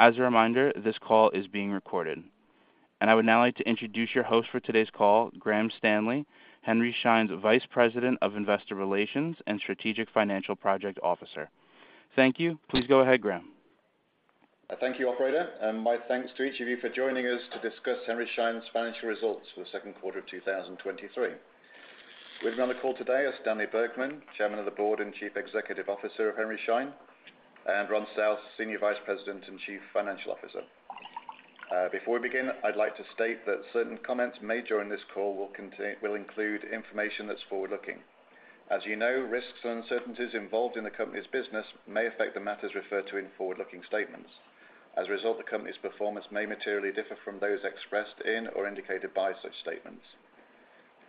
As a reminder, this call is being recorded. I would now like to introduce your host for today's call, Graham Stanley, Henry Schein's Vice President of Investor Relations and Strategic Financial Project Officer. Thank you. Please go ahead, Graham. Thank you, operator, and my thanks to each of you for joining us to discuss Henry Schein's financial results for the Q2 of 2023. With me on the call today are Stanley Bergman, Chairman of the Board and Chief Executive Officer of Henry Schein, and Ron South, Senior Vice President and Chief Financial Officer. Before we begin, I'd like to state that certain comments made during this call will include information that's forward-looking. As you know, risks and uncertainties involved in the company's business may affect the matters referred to in forward-looking statements. As a result, the company's performance may materially differ from those expressed in or indicated by such statements.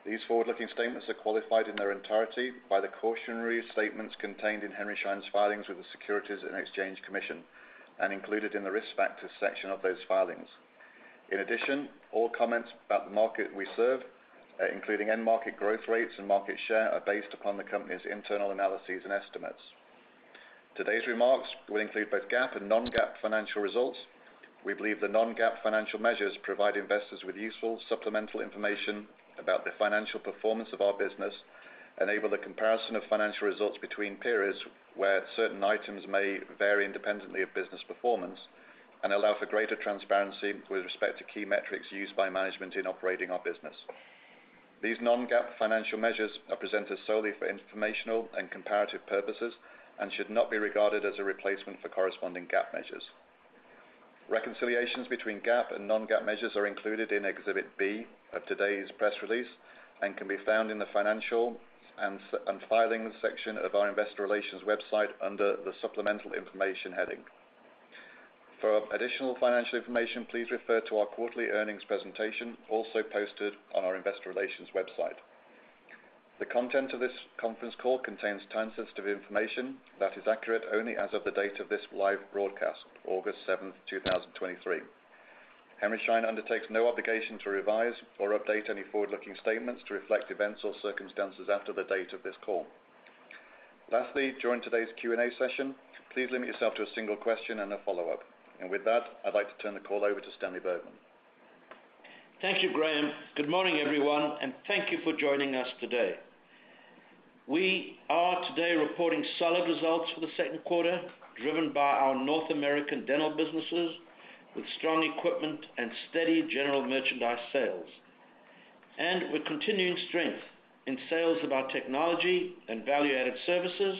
These forward-looking statements are qualified in their entirety by the cautionary statements contained in Henry Schein's filings with the Securities and Exchange Commission, and included in the Risk Factors section of those filings. In addition, all comments about the market we serve, including end market growth rates and market share, are based upon the company's internal analyses and estimates. Today's remarks will include both GAAP and non-GAAP financial results. We believe the non-GAAP financial measures provide investors with useful supplemental information about the financial performance of our business, enable the comparison of financial results between periods where certain items may vary independently of business performance, and allow for greater transparency with respect to key metrics used by management in operating our business. These non-GAAP financial measures are presented solely for informational and comparative purposes and should not be regarded as a replacement for corresponding GAAP measures. Reconciliations between GAAP and non-GAAP measures are included in Exhibit B of today's press release and can be found in the Financial and Filings section of our Investor Relations website under the Supplemental Information heading. For additional financial information, please refer to our quarterly earnings presentation, also posted on our Investor Relations website. The content of this conference call contains time-sensitive information that is accurate only as of the date of this live broadcast, August 7th, 2023. Henry Schein undertakes no obligation to revise or update any forward-looking statements to reflect events or circumstances after the date of this call. Lastly, during today's Q&A session, please limit yourself to a single question and a follow-up. With that, I'd like to turn the call over to Stanley Bergman. Thank you, Graham. Good morning, everyone, thank you for joining us today. We are today reporting solid results for the Q2, driven by our North American dental businesses, with strong equipment and steady general merchandise sales. With continuing strength in sales of our technology and value-added services,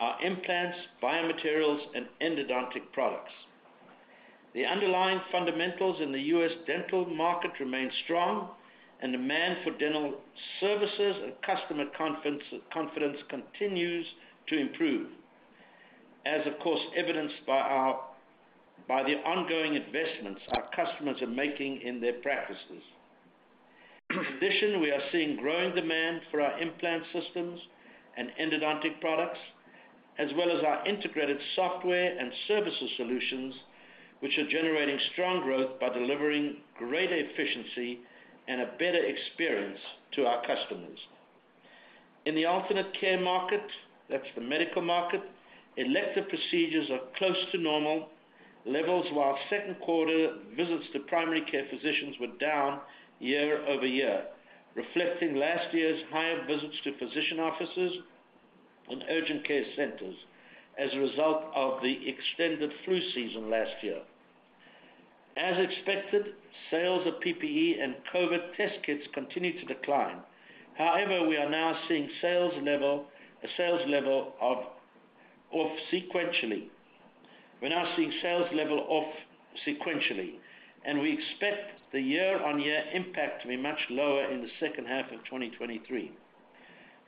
our implants, biomaterials, and endodontic products. The underlying fundamentals in the U.S. dental market remain strong, and demand for dental services and customer confidence continues to improve. As, of course, evidenced by the ongoing investments our customers are making in their practices. In addition, we are seeing growing demand for our implant systems and endodontic products, as well as our integrated software and services solutions, which are generating strong growth by delivering greater efficiency and a better experience to our customers. In the alternate care market, that's the medical market, elective procedures are close to normal levels, while Q2 visits to primary care physicians were down year-over-year, reflecting last year's higher visits to physician offices and urgent care centers as a result of the extended flu season last year. As expected, sales of PPE and COVID test kits continued to decline. We are now seeing sales level off sequentially. We expect the year-on-year impact to be much lower in the second half of 2023.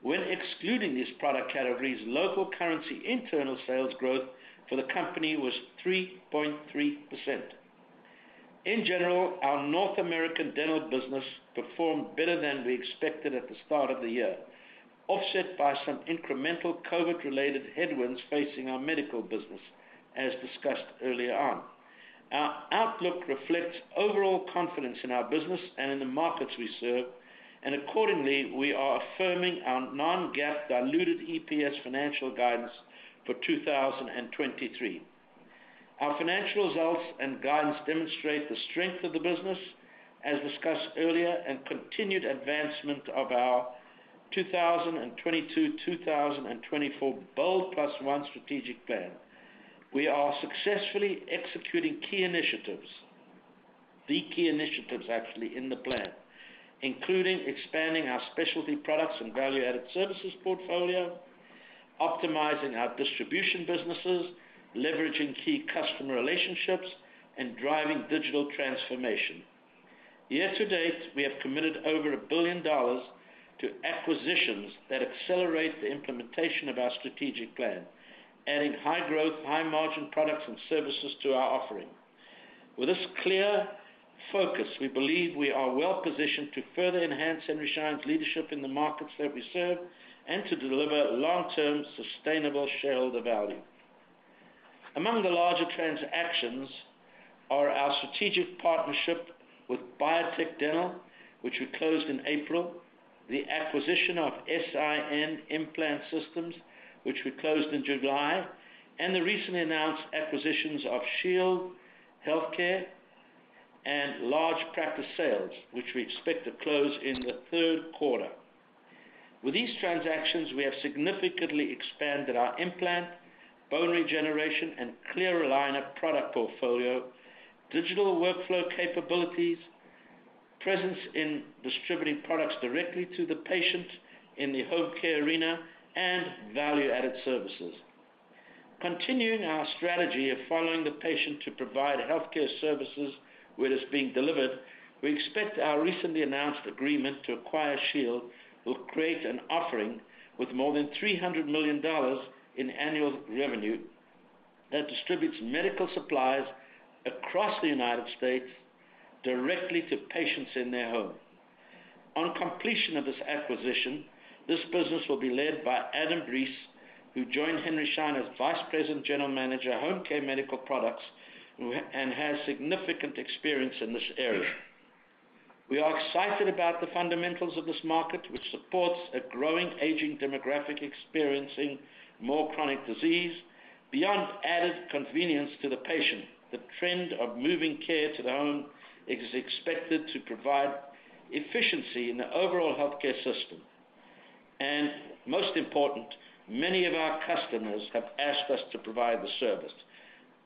When excluding these product categories, local currency internal sales growth for the company was 3.3%. In general, our North American dental business performed better than we expected at the start of the year, offset by some incremental COVID-related headwinds facing our medical business, as discussed earlier on. Our outlook reflects overall confidence in our business and in the markets we serve, accordingly, we are affirming our non-GAAP diluted EPS financial guidance for 2023. Our financial results and guidance demonstrate the strength of the business, as discussed earlier, and continued advancement of our 2022-2024 BOLD+1 strategic plan. We are successfully executing key initiatives, actually, in the plan, including expanding our specialty products and value-added services portfolio, optimizing our distribution businesses, leveraging key customer relationships, and driving digital transformation. Year to date, we have committed over $1 billion to acquisitions that accelerate the implementation of our strategic plan, adding high growth, high margin products and services to our offering. With this clear focus, we believe we are well positioned to further enhance Henry Schein's leadership in the markets that we serve and to deliver long-term, sustainable shareholder value. Among the larger transactions are our strategic partnership with Biotech Dental, which we closed in April, the acquisition of SIN Implant Systems, which we closed in July, and the recently announced acquisitions of Shield Healthcare and Large Practice Sales, which we expect to close in the Q3. With these transactions, we have significantly expanded our implant, bone regeneration, and clear aligner product portfolio, digital workflow capabilities, presence in distributing products directly to the patient in the home care arena, and value-added services. Continuing our strategy of following the patient to provide healthcare services where it is being delivered, we expect our recently announced agreement to acquire Shield Healthcare will create an offering with more than $300 million in annual revenue, that distributes medical supplies across the United States directly to patients in their home. On completion of this acquisition, this business will be led by Adam Bries, who joined Henry Schein as Vice President, General Manager, Homecare Medical Products, and has significant experience in this area. We are excited about the fundamentals of this market, which supports a growing, aging demographic, experiencing more chronic disease. Most important, many of our customers have asked us to provide the service.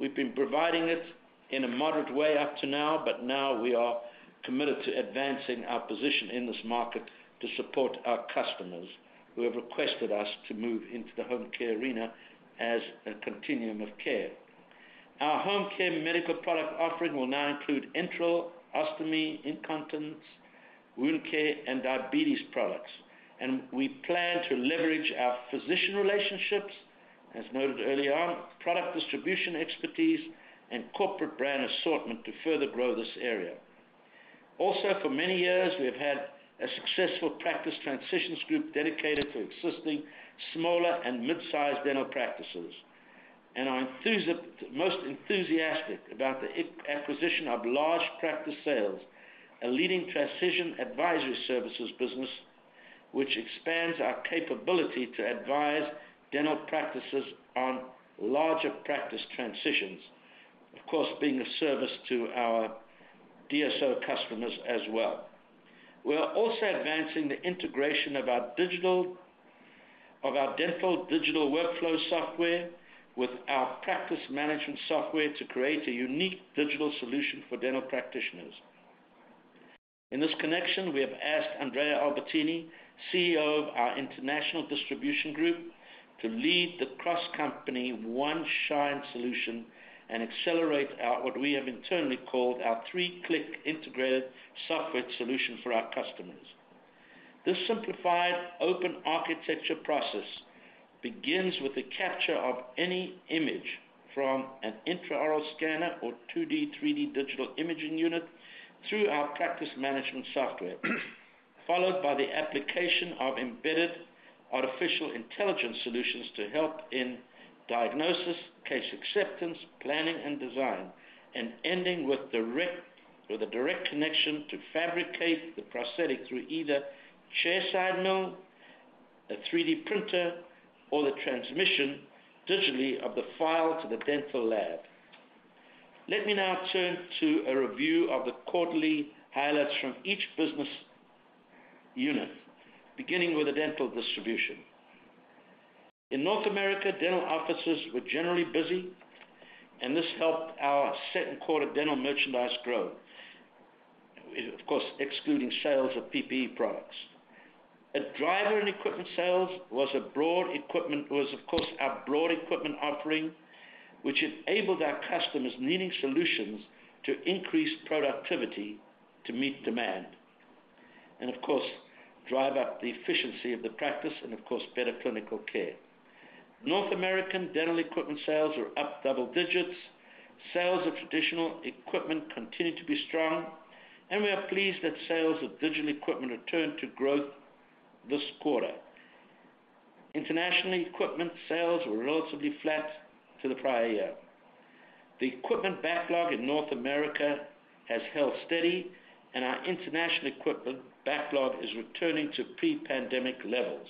We've been providing it in a moderate way up to now, but now we are committed to advancing our position in this market to support our customers, who have requested us to move into the home care arena as a continuum of care. Our home care medical product offering will now include enteral, ostomy, incontinence, wound care, and diabetes products. We plan to leverage our physician relationships, as noted earlier, our product distribution expertise, and corporate brand assortment to further grow this area. Also, for many years, we have had a successful practice transitions group dedicated to existing smaller and mid-sized dental practices, and are most enthusiastic about the acquisition of Large Practice Sales, a leading transition advisory services business, which expands our capability to advise dental practices on larger practice transitions. Of course, being of service to our DSO customers as well. We are also advancing the integration of our digital of our dental digital workflow software, with our practice management software, to create a unique digital solution for dental practitioners. In this connection, we have asked Andrea Albertini, CEO of our International Distribution Group, to lead the cross-company One Schein Solution and accelerate our, what we have internally called, our 3-click integrated software solution for our customers. This simplified, open architecture process begins with the capture of any image from an intraoral scanner or 2D, 3D digital imaging unit through our practice management software, followed by the application of embedded artificial intelligence solutions to help in diagnosis, case acceptance, planning, and design, and ending with direct, with a direct connection to fabricate the prosthetic through either chairside mill, a 3D printer, or the transmission digitally of the file to the dental lab. Let me now turn to a review of the quarterly highlights from each business unit, beginning with the dental distribution. In North America, dental offices were generally busy, and this helped our Q2 dental merchandise grow. Of course, excluding sales of PPE products. A driver in equipment sales was, of course, our broad equipment offering, which enabled our customers needing solutions to increase productivity to meet demand, and, of course, drive up the efficiency of the practice and, of course, better clinical care. North American dental equipment sales are up double digits. Sales of traditional equipment continue to be strong, and we are pleased that sales of digital equipment returned to growth this quarter. International equipment sales were relatively flat to the prior year. The equipment backlog in North America has held steady, and our international equipment backlog is returning to pre-pandemic levels.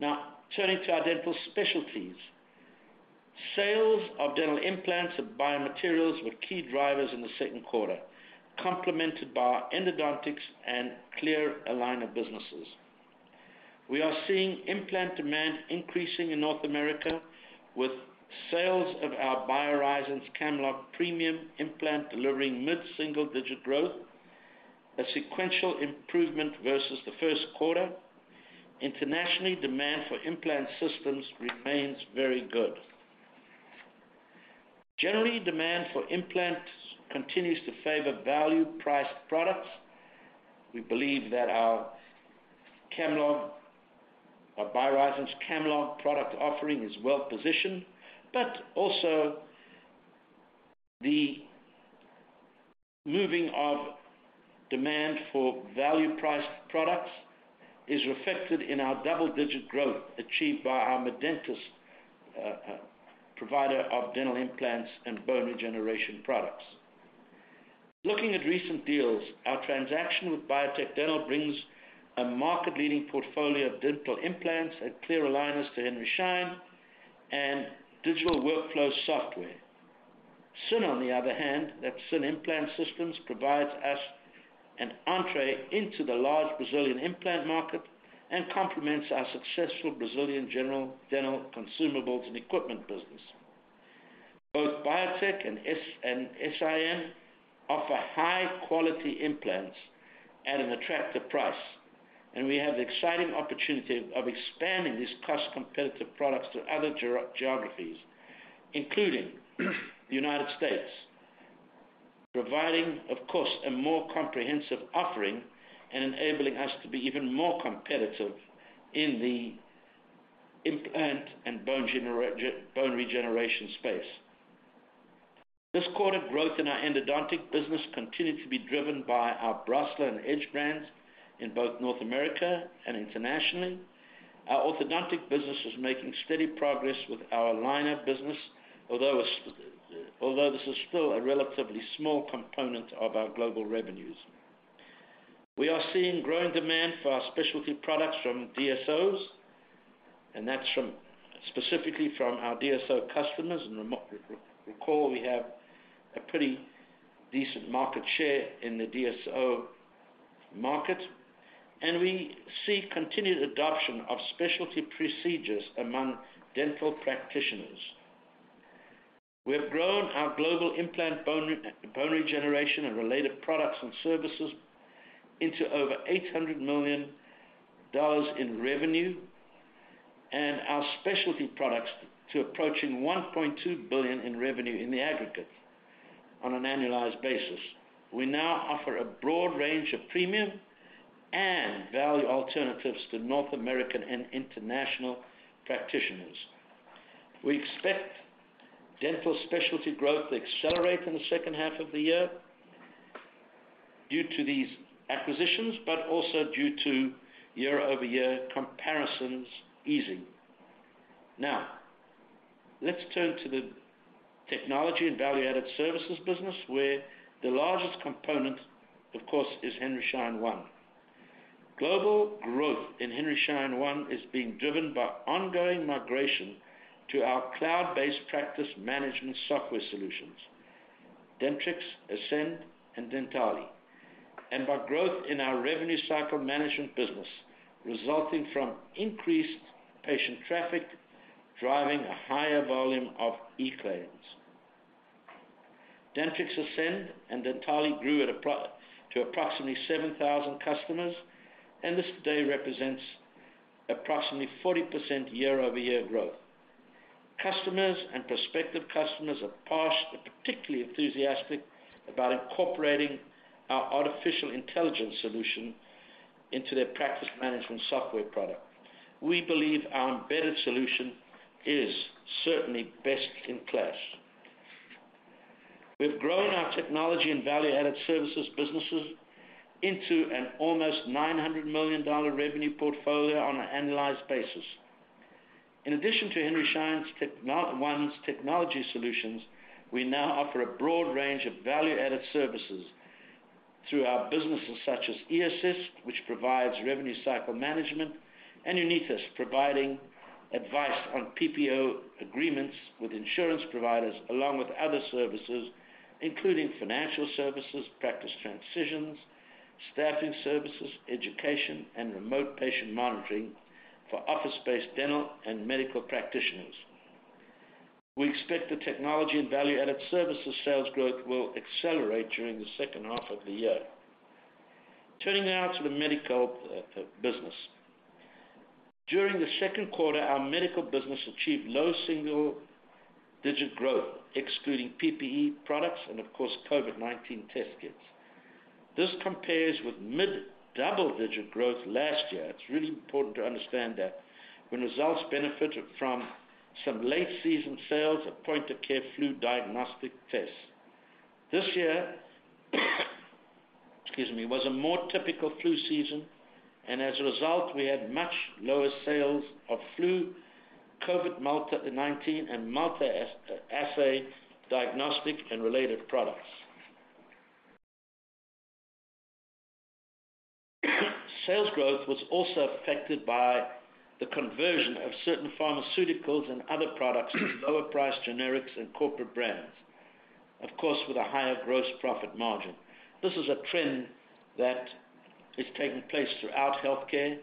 Now, turning to our dental specialties. Sales of dental implants and biomaterials were key drivers in the Q2, complemented by our endodontics and clear aligner businesses. We are seeing implant demand increasing in North America, with sales of our BioHorizons Camlog Premium implant delivering mid-single-digit growth, a sequential improvement versus the Q1. Internationally, demand for implant systems remains very good. Generally, demand for implants continues to favor value-priced products. We believe that our Camlog, or BioHorizons Camlog product offering, is well positioned, but also the moving of demand for value-priced products is reflected in our double-digit growth achieved by our Medentis Medical provider of dental implants and bone regeneration products. Looking at recent deals, our transaction with Biotech Dental brings a market-leading portfolio of dental implants and clear aligners to Henry Schein, and digital workflow software. S.I.N., on the other hand, that SIN Implant Systems, provides us an entree into the large Brazilian implant market and complements our successful Brazilian general dental consumables and equipment business. Both Biotech Dental and S.I.N. offer high-quality implants at an attractive price, and we have the exciting opportunity of expanding these cost-competitive products to other geographies, including the United States. Providing, of course, a more comprehensive offering and enabling us to be even more competitive in the implant and bone regeneration space. This quarter, growth in our endodontic business continued to be driven by our Brasseler and Edge brands in both North America and internationally. Our orthodontic business is making steady progress with our aligner business, although this is still a relatively small component of our global revenues. We are seeing growing demand for our specialty products from DSOs, that's specifically from our DSO customers. Recall, we have a pretty decent market share in the DSO market, and we see continued adoption of specialty procedures among dental practitioners. We have grown our global implant bone regeneration and related products and services into over $800 million in revenue, and our specialty products to approaching $1.2 billion in revenue in the aggregate on an annualized basis. We now offer a broad range of premium and value alternatives to North American and international practitioners. We expect dental specialty growth to accelerate in the second half of the year due to these acquisitions, but also due to year-over-year comparisons easing. Now, let's turn to the technology and value-added services business, where the largest component, of course, is Henry Schein One. Global growth in Henry Schein One is being driven by ongoing migration to our cloud-based practice management software solutions, Dentrix, Ascend, and Dentally. By growth in our revenue cycle management business, resulting from increased patient traffic, driving a higher volume of eClaims. Dentrix Ascend and Dentally grew to approximately 7,000 customers, and this today represents approximately 40% year-over-year growth. Customers and prospective customers are particularly enthusiastic about incorporating our artificial intelligence solution into their practice management software product. We believe our embedded solution is certainly best in class. We've grown our technology and value-added services businesses into an almost $900 million revenue portfolio on an annualized basis. In addition to Henry Schein One's technology solutions, we now offer a broad range of value-added services through our businesses, such as eAssist, which provides revenue cycle management, and Unitas, providing advice on PPO agreements with insurance providers, along with other services, including financial services, practice transitions, staffing services, education, and remote patient monitoring for office-based dental and medical practitioners. We expect the technology and value-added services sales growth will accelerate during the second half of the year. Turning now to the medical business. During the Q2, our medical business achieved low single-digit growth, excluding PPE products and, of course, COVID-19 test kits. This compares with mid-double-digit growth last year. It's really important to understand that when results benefited from some late-season sales of point-of-care flu diagnostic tests. This year, excuse me, was a more typical flu season. As a result, we had much lower sales of flu, COVID-19, and multi-assay diagnostic and related products. Sales growth was also affected by the conversion of certain pharmaceuticals and other products, lower-priced generics and corporate brands, of course, with a higher gross profit margin. This is a trend that is taking place throughout healthcare.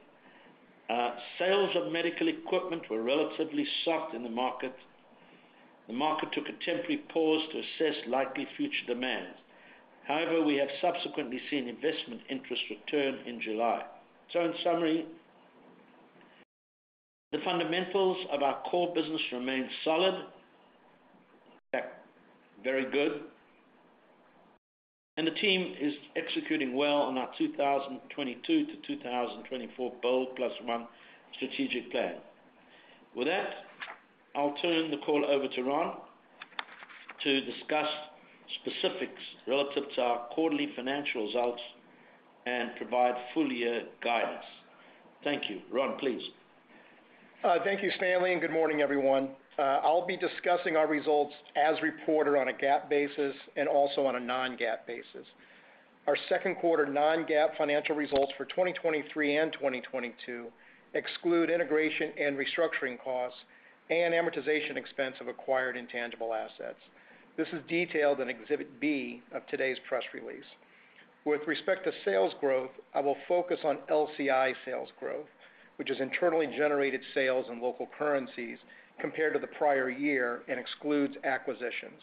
Sales of medical equipment were relatively soft in the market. The market took a temporary pause to assess likely future demands. However, we have subsequently seen investment interest return in July. In summary, the fundamentals of our core business remain solid. In fact, very good, and the team is executing well on our 2022-2024 BOLD+1 strategic plan. With that, I'll turn the call over to Ron to discuss specifics relative to our quarterly financial results and provide full year guidance. Thank you. Ron, please. Thank you, Stanley, and good morning, everyone. I'll be discussing our results as reported on a GAAP basis and also on a non-GAAP basis. Our Q2 non-GAAP financial results for 2023 and 2022 exclude integration and restructuring costs and amortization expense of acquired intangible assets. This is detailed in Exhibit B of today's press release. With respect to sales growth, I will focus on LCI sales growth, which is internally generated sales in local currencies compared to the prior year and excludes acquisitions.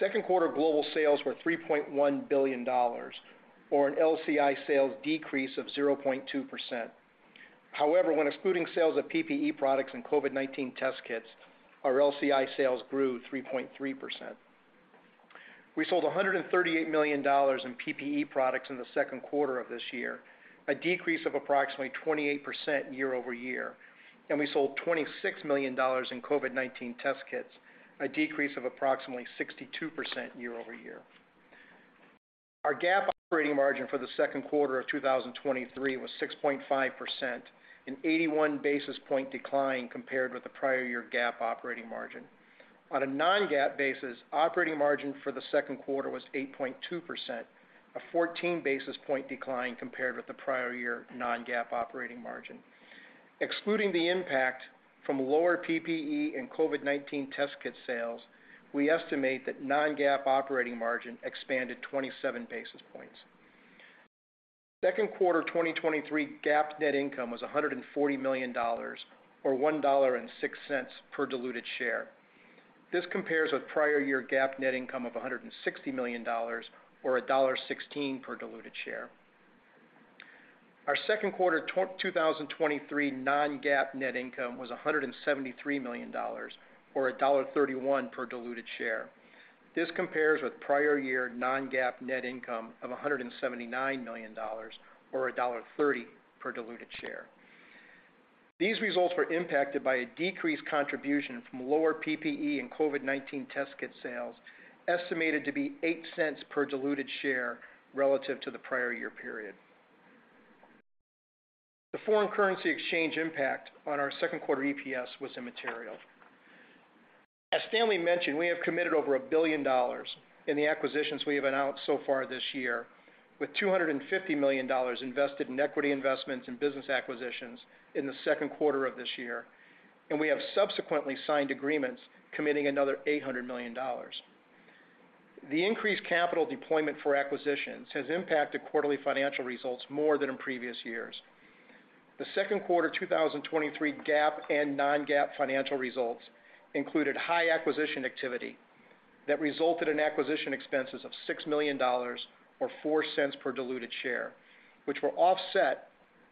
Q2 global sales were $3.1 billion, or an LCI sales decrease of 0.2%. However, when excluding sales of PPE products and COVID-19 test kits, our LCI sales grew 3.3%. We sold $138 million in PPE products in the Q2 of this year, a decrease of approximately 28% year-over-year. We sold $26 million in COVID-19 test kits, a decrease of approximately 62% year-over-year. Our GAAP operating margin for the Q2 of 2023 was 6.5%, an 81 basis point decline compared with the prior year GAAP operating margin. On a non-GAAP basis, operating margin for the Q2 was 8.2%, a 14 basis point decline compared with the prior year non-GAAP operating margin. Excluding the impact from lower PPE and COVID-19 test kit sales, we estimate that non-GAAP operating margin expanded 27 basis points. Q2 2023 GAAP net income was $140 million, or $1.06 per diluted share. This compares with prior year GAAP net income of $160 million or $1.16 per diluted share. Our Q2 2023 non-GAAP net income was $173 million or $1.31 per diluted share. This compares with prior year non-GAAP net income of $179 million or $1.30 per diluted share. These results were impacted by a decreased contribution from lower PPE and COVID-19 test kit sales, estimated to be $0.08 per diluted share relative to the prior year period. The foreign currency exchange impact on our Q2 EPS was immaterial. As Stanley mentioned, we have committed over $1 billion in the acquisitions we have announced so far this year, with $250 million invested in equity investments and business acquisitions in the Q2 of this year. We have subsequently signed agreements committing another $800 million. The increased capital deployment for acquisitions has impacted quarterly financial results more than in previous years. The Q2 2023 GAAP and non-GAAP financial results included high acquisition activity that resulted in acquisition expenses of $6 million, or $0.04 per diluted share, which were offset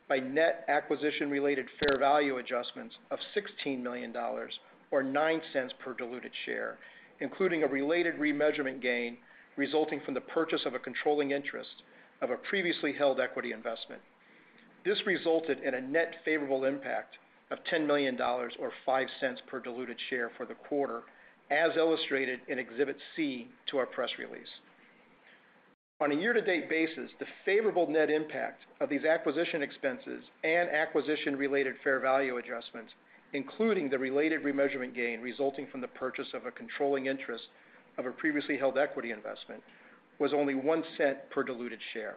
by net acquisition-related fair value adjustments of $16 million, or $0.09 per diluted share, including a related remeasurement gain resulting from the purchase of a controlling interest of a previously held equity investment. This resulted in a net favorable impact of $10 million, or $0.05 per diluted share for the quarter, as illustrated in Exhibit C to our press release. On a year-to-date basis, the favorable net impact of these acquisition expenses and acquisition-related fair value adjustments, including the related remeasurement gain resulting from the purchase of a controlling interest of a previously held equity investment, was only $0.01 per diluted share.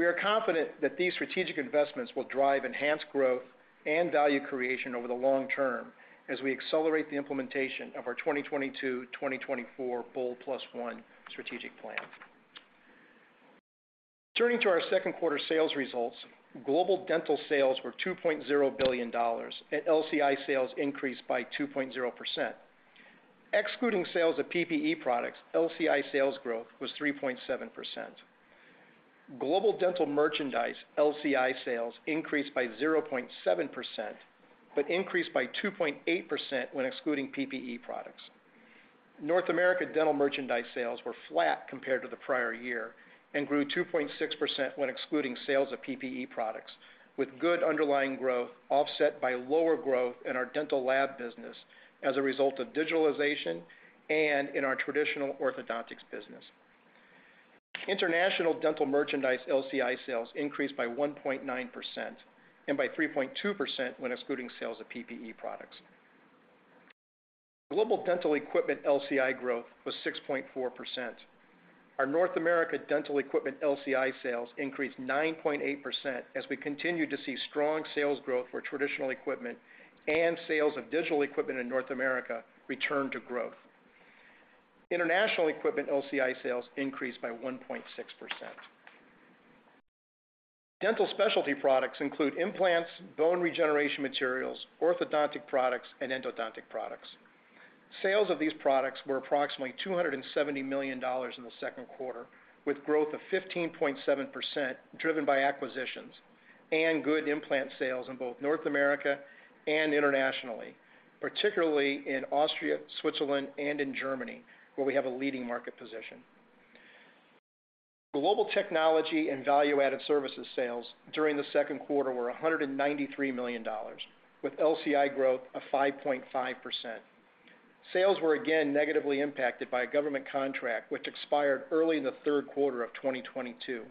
We are confident that these strategic investments will drive enhanced growth and value creation over the long term as we accelerate the implementation of our 2022, 2024 BOLD Plus One strategic plan. Turning to our Q2 sales results, global dental sales were $2.0 billion, LCI sales increased by 2.0%. Excluding sales of PPE products, LCI sales growth was 3.7%. Global dental merchandise LCI sales increased by 0.7%, but increased by 2.8% when excluding PPE products. North America dental merchandise sales were flat compared to the prior year and grew 2.6% when excluding sales of PPE products, with good underlying growth offset by lower growth in our dental lab business as a result of digitalization and in our traditional orthodontics business. International dental merchandise LCI sales increased by 1.9% and by 3.2% when excluding sales of PPE products. Global dental equipment LCI growth was 6.4%. Our North America dental equipment LCI sales increased 9.8% as we continued to see strong sales growth for traditional equipment and sales of digital equipment in North America return to growth. International equipment LCI sales increased by 1.6%. Dental specialty products include implants, bone regeneration materials, orthodontic products, and endodontic products. Sales of these products were approximately $270 million in the Q2, with growth of 15.7%, driven by acquisitions and good implant sales in both North America and internationally, particularly in Austria, Switzerland, and in Germany, where we have a leading market position. Global technology and value-added services sales during the Q2 were $193 million, with LCI growth of 5.5%. Sales were again negatively impacted by a government contract, which expired early in the Q3 of 2022.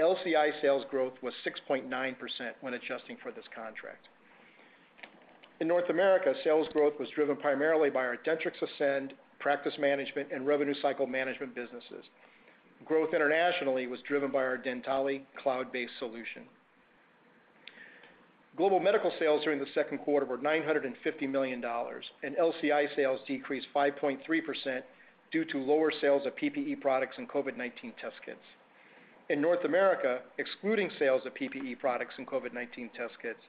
LCI sales growth was 6.9% when adjusting for this contract. In North America, sales growth was driven primarily by our Dentrix Ascend practice management and revenue cycle management businesses. Growth internationally was driven by our Dentally cloud-based solution. Global medical sales during the Q2 were $950 million, LCI sales decreased 5.3% due to lower sales of PPE products and COVID-19 test kits. In North America, excluding sales of PPE products and COVID-19 test kits,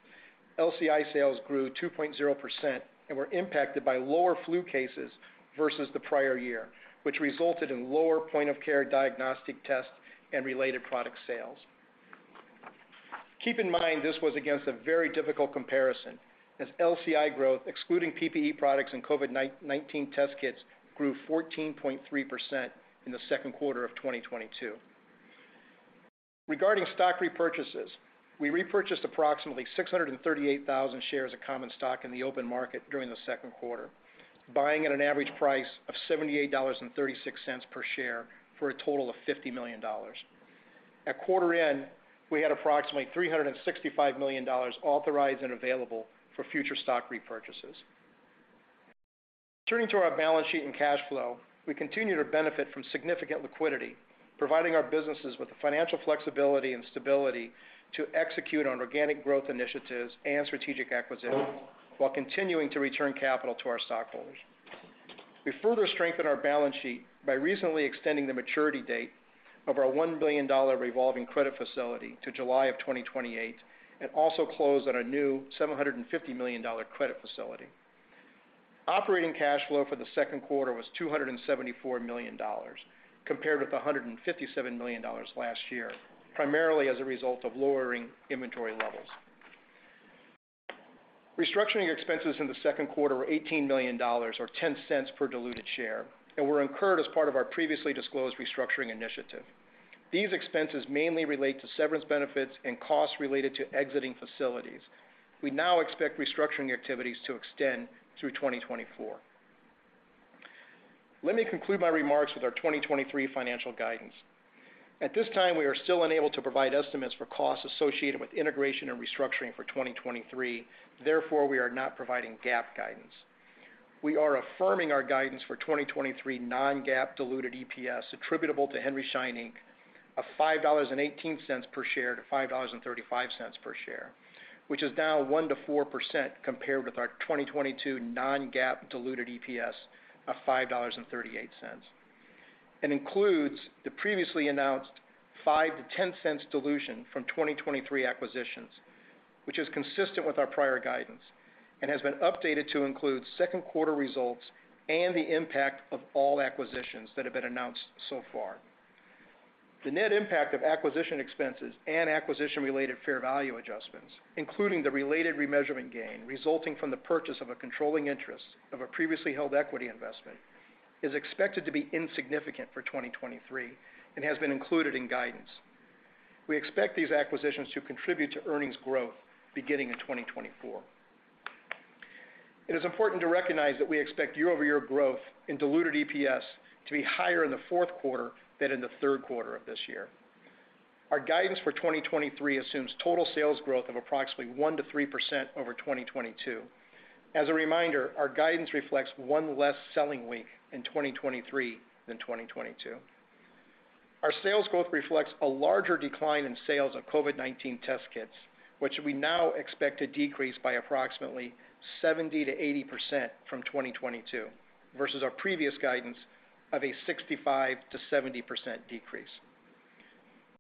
LCI sales grew 2.0% and were impacted by lower flu cases versus the prior year, which resulted in lower point-of-care diagnostic tests and related product sales. Keep in mind, this was against a very difficult comparison, as LCI growth, excluding PPE products and COVID-19 test kits, grew 14.3% in the Q2 of 2022. Regarding stock repurchases, we repurchased approximately 638,000 shares of common stock in the open market during the Q2, buying at an average price of $78.36 per share for a total of $50 million. At quarter end, we had approximately $365 million authorized and available for future stock repurchases. Turning to our balance sheet and cash flow, we continue to benefit from significant liquidity, providing our businesses with the financial flexibility and stability to execute on organic growth initiatives and strategic acquisitions, while continuing to return capital to our stockholders. We further strengthened our balance sheet by recently extending the maturity date of our $1 billion revolving credit facility to July of 2028, and also closed on a new $750 million credit facility. Operating cash flow for the Q2 was $274 million, compared with $157 million last year, primarily as a result of lowering inventory levels. Restructuring expenses in the Q2 were $18 million, or $0.10 per diluted share, and were incurred as part of our previously disclosed restructuring initiative. These expenses mainly relate to severance benefits and costs related to exiting facilities. We now expect restructuring activities to extend through 2024. Let me conclude my remarks with our 2023 financial guidance. At this time, we are still unable to provide estimates for costs associated with integration and restructuring for 2023. Therefore, we are not providing GAAP guidance. We are affirming our guidance for 2023 non-GAAP diluted EPS attributable to Henry Schein Inc. of $5.18 per share to $5.35 per share, which is now 1%-4% compared with our 2022 non-GAAP diluted EPS of $5.38. It includes the previously announced $0.05-$0.10 dilution from 2023 acquisitions, which is consistent with our prior guidance and has been updated to include Q2 results and the impact of all acquisitions that have been announced so far. The net impact of acquisition expenses and acquisition-related fair value adjustments, including the related remeasurement gain resulting from the purchase of a controlling interest of a previously held equity investment, is expected to be insignificant for 2023 and has been included in guidance. We expect these acquisitions to contribute to earnings growth beginning in 2024. It is important to recognize that we expect year-over-year growth in diluted EPS to be higher in the Q4 than in the Q3 of this year. Our guidance for 2023 assumes total sales growth of approximately 1%-3% over 2022. As a reminder, our guidance reflects 1 less selling week in 2023 than 2022. Our sales growth reflects a larger decline in sales of COVID-19 test kits, which we now expect to decrease by approximately 70%-80% from 2022, versus our previous guidance of a 65%-70% decrease.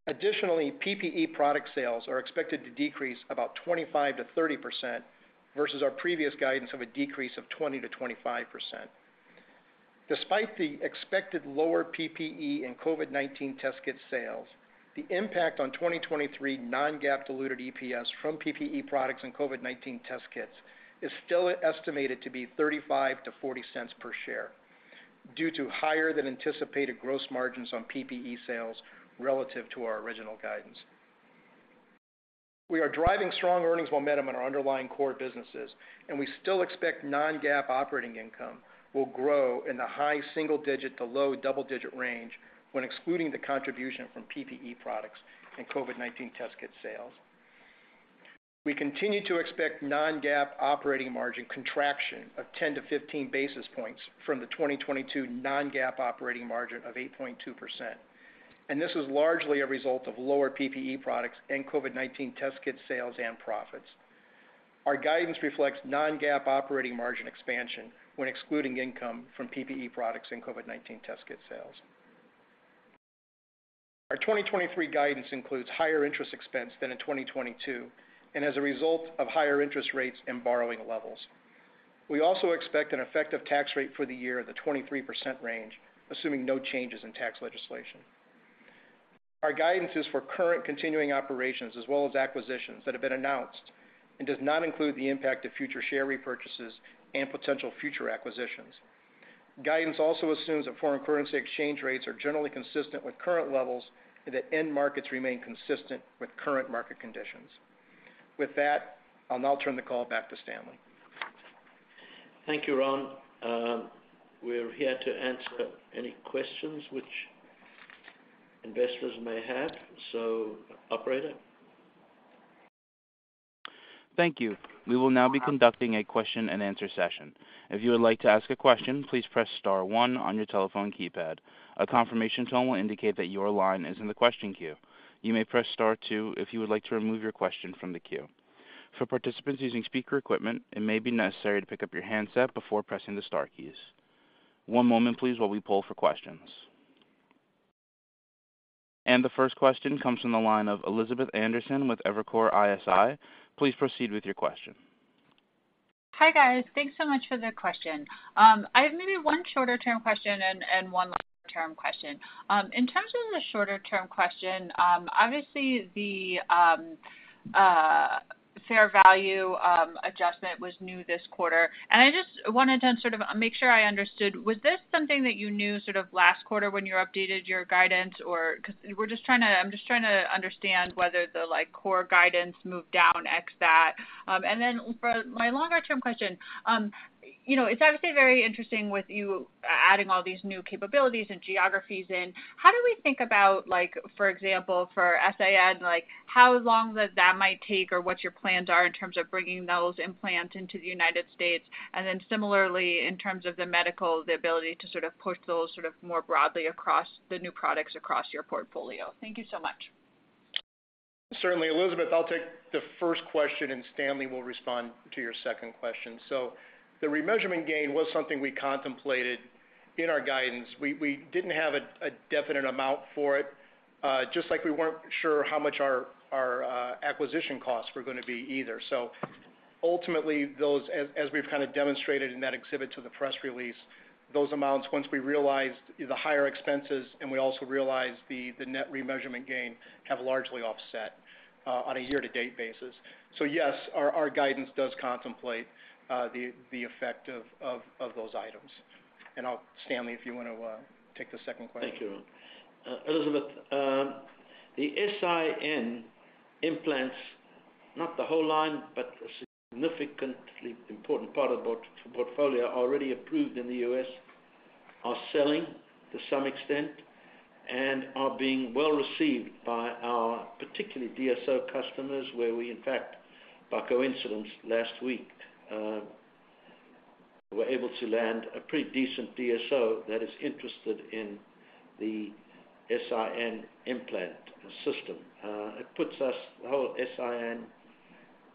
Additionally, PPE product sales are expected to decrease about 25%-30% versus our previous guidance of a decrease of 20%-25%. Despite the expected lower PPE and COVID-19 test kit sales, the impact on 2023 non-GAAP diluted EPS from PPE products and COVID-19 test kits is still estimated to be $0.35-$0.40 per share, due to higher than anticipated gross margins on PPE sales relative to our original guidance. We are driving strong earnings momentum in our underlying core businesses, we still expect non-GAAP operating income will grow in the high single-digit to low double-digit range when excluding the contribution from PPE products and COVID-19 test kit sales. We continue to expect non-GAAP operating margin contraction of 10-15 basis points from the 2022 non-GAAP operating margin of 8.2%, this is largely a result of lower PPE products and COVID-19 test kit sales and profits. Our guidance reflects non-GAAP operating margin expansion when excluding income from PPE products and COVID-19 test kit sales. Our 2023 guidance includes higher interest expense than in 2022, as a result of higher interest rates and borrowing levels. We also expect an effective tax rate for the year in the 23% range, assuming no changes in tax legislation. Our guidance is for current continuing operations as well as acquisitions that have been announced and does not include the impact of future share repurchases and potential future acquisitions. Guidance also assumes that foreign currency exchange rates are generally consistent with current levels and that end markets remain consistent with current market conditions. With that, I'll now turn the call back to Stanley. Thank you, Ron. We're here to answer any questions which investors may have. Operator? Thank you. We will now be conducting a question-and-answer session. If you would like to ask a question, please press star one on your telephone keypad. A confirmation tone will indicate that your line is in the question queue. You may press star two if you would like to remove your question from the queue. For participants using speaker equipment, it may be necessary to pick up your handset before pressing the star keys. One moment, please, while we poll for questions. The first question comes from the line of Elizabeth Anderson with Evercore ISI. Please proceed with your question. Hi, guys. Thanks so much for the question. I have maybe one shorter-term question and, and one longer-term question. In terms of the shorter-term question, obviously, the fair value adjustment was new this quarter, and I just wanted to sort of make sure I understood. Was this something that you knew sort of last quarter when you updated your guidance, or, 'cause we're just trying to, I'm just trying to understand whether the, like, core guidance moved down ex that. For my longer-term question, you know, it's obviously very interesting with you adding all these new capabilities and geographies in. How do we think about like, for example, for SIAD, like, how long does that might take or what your plans are in terms of bringing those implants into the United States? Similarly, in terms of the medical, the ability to sort of push those sort of more broadly across the new products across your portfolio. Thank you so much. Certainly, Elizabeth, I'll take the first question, and Stanley will respond to your second question. The remeasurement gain was something we contemplated in our guidance. We didn't have a definite amount for it, just like we weren't sure how much our acquisition costs were gonna be either. Ultimately, those, as we've kind of demonstrated in that exhibit to the press release, those amounts, once we realized the higher expenses, and we also realized the net remeasurement gain, have largely offset on a year-to-date basis. Yes, our guidance does contemplate the effect of those items. Stanley, if you want to take the second question. Thank you, Ron. Elizabeth, the SIN implants, not the whole line, but a significantly important part of the portfolio, are already approved in the U.S., are selling to some extent, and are being well received by our particularly DSO customers, where we, in fact, by coincidence, last week, were able to land a pretty decent DSO that is interested in the SIN implant system. It puts us, the whole SIN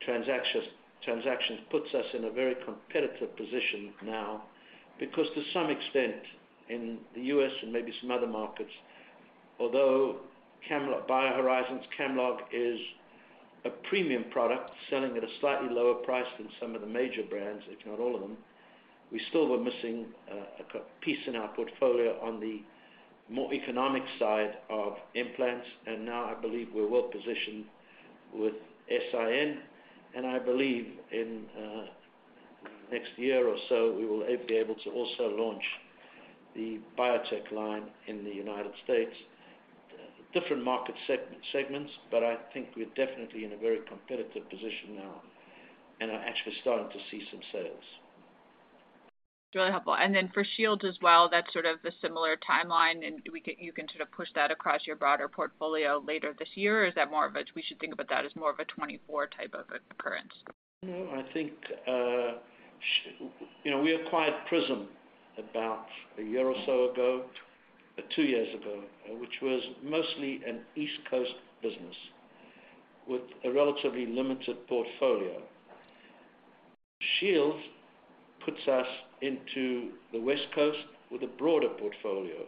transactions puts us in a very competitive position now, because to some extent, in the U.S. and maybe some other markets, although Camlog, BioHorizons Camlog is a premium product selling at a slightly lower price than some of the major brands, if not all of them, we still were missing, a piece in our portfolio on the more economic side of implants. Now I believe we're well positioned with SIN, and I believe in next year or so, we will be able to also launch the biotech line in the United States. Different market segments, but I think we're definitely in a very competitive position now and are actually starting to see some sales. Really helpful. Then for Shields as well, that's sort of a similar timeline, you can sort of push that across your broader portfolio later this year? Is that more of a, we should think about that as more of a 24 type of occurrence? I think, you know, we acquired Prism about a year or so ago, 2 years ago, which was mostly an East Coast business with a relatively limited portfolio. Shields puts us into the West Coast with a broader portfolio,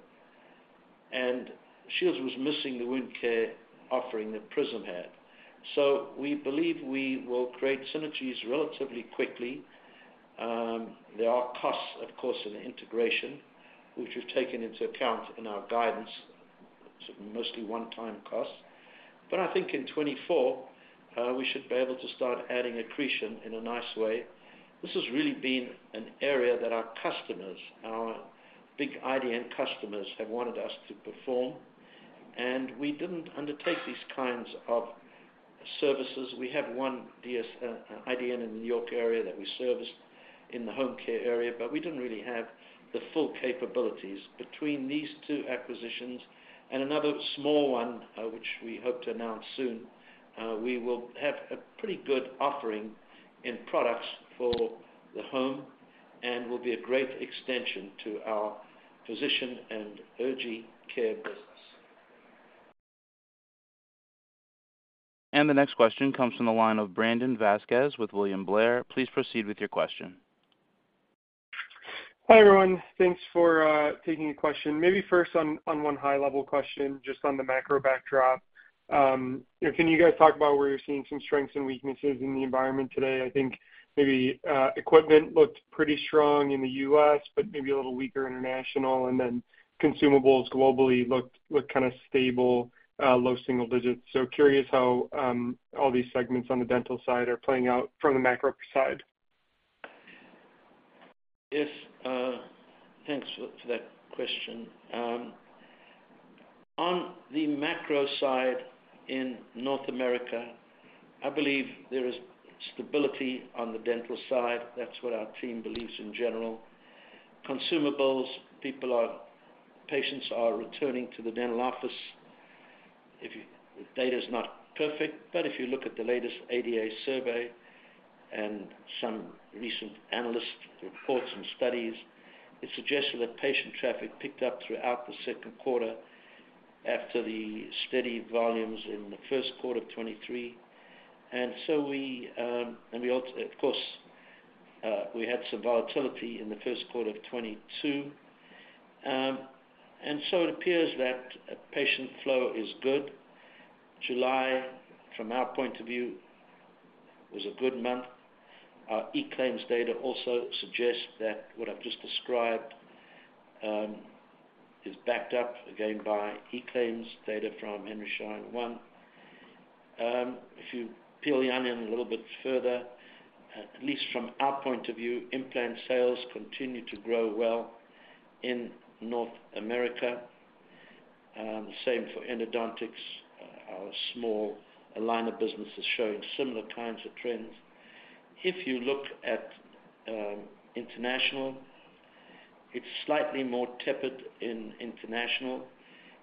and Shields was missing the wound care offering that Prism had. We believe we will create synergies relatively quickly. There are costs, of course, in the integration, which we've taken into account in our guidance, mostly one-time costs. I think in 2024, we should be able to start adding accretion in a nice way. This has really been an area that our customers, our big IDN customers, have wanted us to perform, and we didn't undertake these kinds of services. We have 1 DS, IDN in the New York area that we service in the home care area, but we didn't really have the full capabilities. Between these 2 acquisitions and another small 1, which we hope to announce soon, we will have a pretty good offering in products for the home and will be a great extension to our physician and urgent care business. The next question comes from the line of Brandon Vazquez with William Blair. Please proceed with your question. Hi, everyone. Thanks for taking a question. Maybe first on, on 1 high-level question, just on the macro backdrop. You know, can you guys talk about where you're seeing some strengths and weaknesses in the environment today? I think maybe equipment looked pretty strong in the US, but maybe a little weaker international, and then consumables globally looked, looked kind of stable, low single digits. Curious how all these segments on the dental side are playing out from the macro side. If, thanks for, for that question. On the macro side in North America, I believe there is stability on the dental side. That's what our team believes in general. Consumables, people are-- patients are returning to the dental office. If you-- the data is not perfect, but if you look at the latest ADA survey and some recent analyst reports and studies, it suggested that patient traffic picked up throughout the Q2 after the steady volumes in the Q1 of 2023. So we, and we alt-- of course, we had some volatility in the Q1 of 2022. So it appears that patient flow is good. July, from our point of view, was a good month. Our eClaims data also suggests that what I've just described, is backed up again by eClaims data from Henry Schein One. If you peel the onion a little bit further, at least from our point of view, implant sales continue to grow well in North America. The same for endodontics. Our small line of business is showing similar kinds of trends. If you look at international, it's slightly more tepid in international.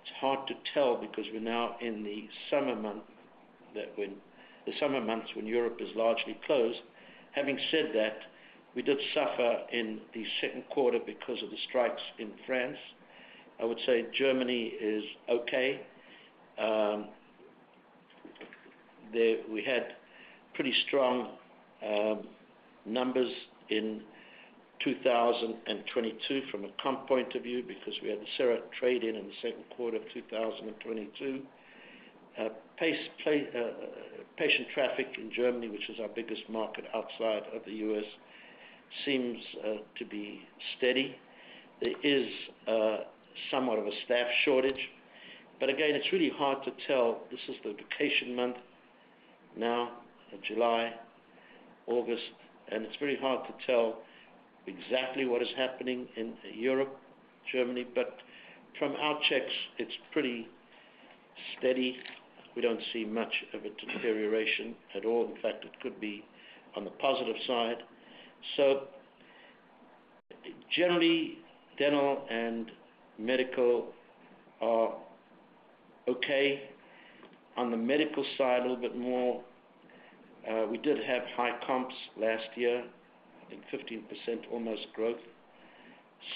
It's hard to tell because we're now in the summer month, the summer months when Europe is largely closed. Having said that, we did suffer in the Q2 because of the strikes in France. I would say Germany is okay. We had pretty strong numbers in 2022 from a comp point of view, because we had the trade-in in the Q2 of 2022. Pace play, patient traffic in Germany, which is our biggest market outside of the U.S., seems to be steady. There is somewhat of a staff shortage, but again, it's really hard to tell. This is the vacation month now, July, August, and it's very hard to tell exactly what is happening in Europe, Germany. From our checks, it's pretty steady. We don't see much of a deterioration at all. In fact, it could be on the positive side. Generally, dental and medical are okay. On the medical side, a little bit more, we did have high comps last year, I think 15%, almost growth.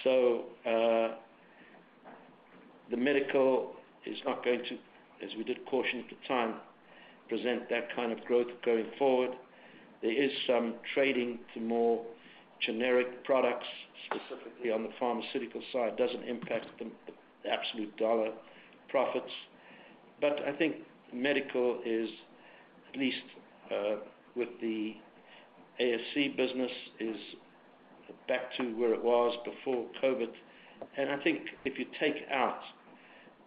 The medical is not going to, as we did caution at the time, present that kind of growth going forward. There is some trading to more generic products, specifically on the pharmaceutical side. Doesn't impact the, the absolute dollar profits, but I think medical is at least, with the ASC business, is back to where it was before COVID. And I think if you take out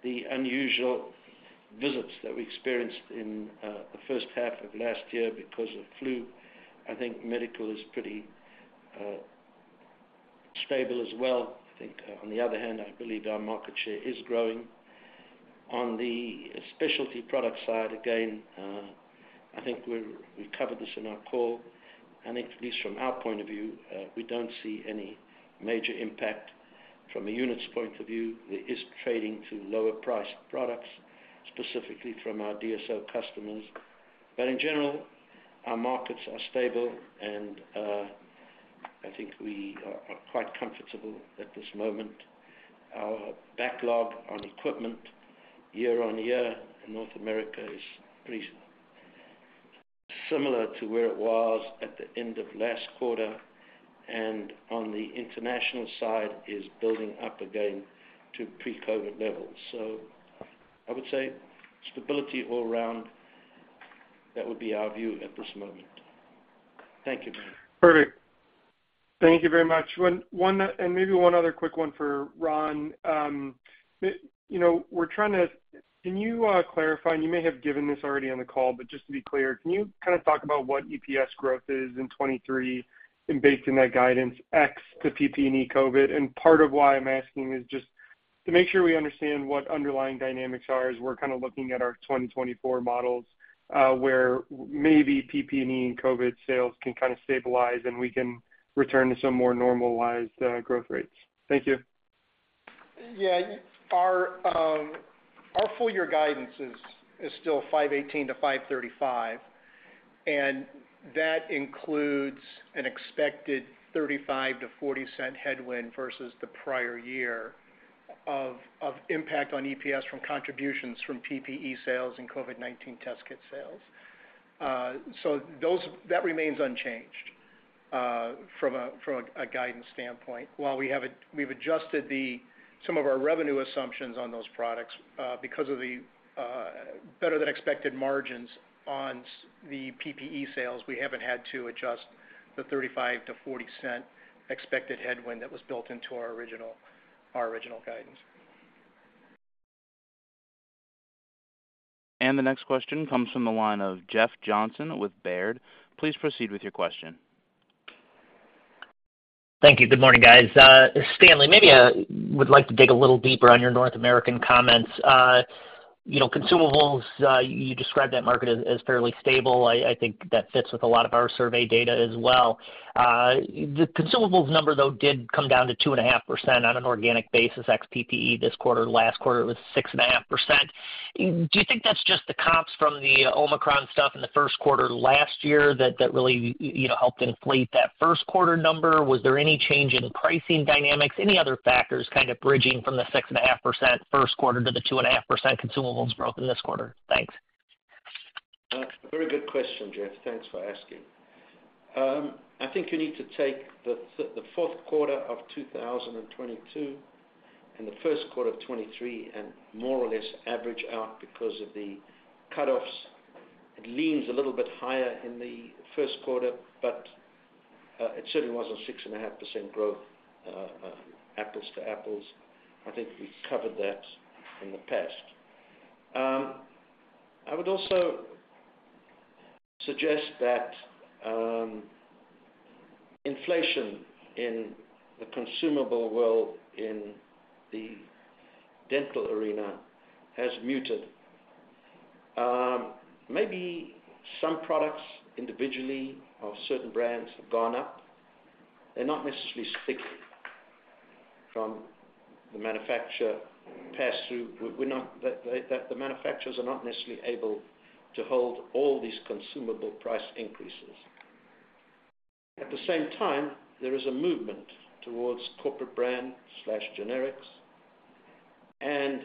the unusual visits that we experienced in the first half of last year because of flu, I think medical is pretty stable as well. I think on the other hand, I believe our market share is growing. On the specialty product side, again, I think we, we covered this in our call, and at least from our point of view, we don't see any major impact. From a units point of view, there is trading to lower priced products, specifically from our DSO customers. But in general, our markets are stable, and, I think we are, are quite comfortable at this moment. Our backlog on equipment year-over-year in North America is pretty similar to where it was at the end of last quarter, and on the international side, is building up again to pre-COVID levels. I would say stability all around. That would be our view at this moment. Thank you, Ben. Perfect. Thank you very much. 1, 1, and maybe one other quick one for Ron. You know, we're trying to clarify, and you may have given this already on the call, but just to be clear, can you kind of talk about what EPS growth is in 2023, and based on that guidance, ex the PPE COVID? Part of why I'm asking is just to make sure we understand what underlying dynamics are, as we're kind of looking at our 2024 models, where maybe PPE and COVID sales can kind of stabilize, and we can return to some more normalized growth rates. Thank you. Yeah, our full year guidance is still $5.18-$5.35, and that includes an expected $0.35-$0.40 headwind versus the prior year of impact on EPS from contributions from PPE sales and COVID-19 test kit sales. That remains unchanged from a guidance standpoint. While we've adjusted some of our revenue assumptions on those products, because of the better-than-expected margins on the PPE sales, we haven't had to adjust the $0.35-$0.40 expected headwind that was built into our original, our original guidance. The next question comes from the line of Jeff Johnson with Baird. Please proceed with your question. Thank you. Good morning, guys. Stanley, maybe, would like to dig a little deeper on your North American comments. You know, consumables, you described that market as, as fairly stable. I, I think that fits with a lot of our survey data as well. The consumables number, though, did come down to 2.5% on an organic basis, ex PPE this quarter. Last quarter, it was 6.5%. Do you think that's just the comps from the Omicron stuff in the Q1 last year that, that really, you know, helped inflate that Q1 number? Was there any change in pricing dynamics, any other factors kind of bridging from the 6.5% Q1 to the 2.5% consumables growth in this quarter? Thanks? Very good question, Jeff. Thanks for asking. I think you need to take the Q4 of 2022 and the Q1 of 2023, and more or less average out because of the cutoffs. It leans a little bit higher in the Q1, but it certainly wasn't 6.5% growth, apples to apples. I think we covered that in the past. I would also suggest that inflation in the consumable world, in the dental arena has muted. Maybe some products individually or certain brands have gone up. They're not necessarily sticking from the manufacturer pass-through. The manufacturers are not necessarily able to hold all these consumable price increases. At the same time, there is a movement towards corporate brand/generics, and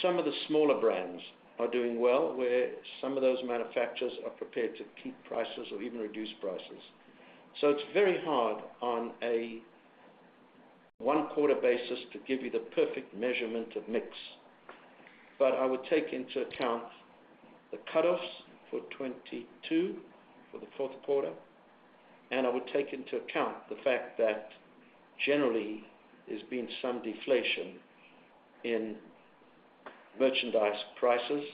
some of the smaller brands are doing well, where some of those manufacturers are prepared to keep prices or even reduce prices. It's very hard on a one-quarter basis to give you the perfect measurement of mix. I would take into account the cutoffs for 2022, for the Q4, and I would take into account the fact that generally there's been some deflation in merchandise prices.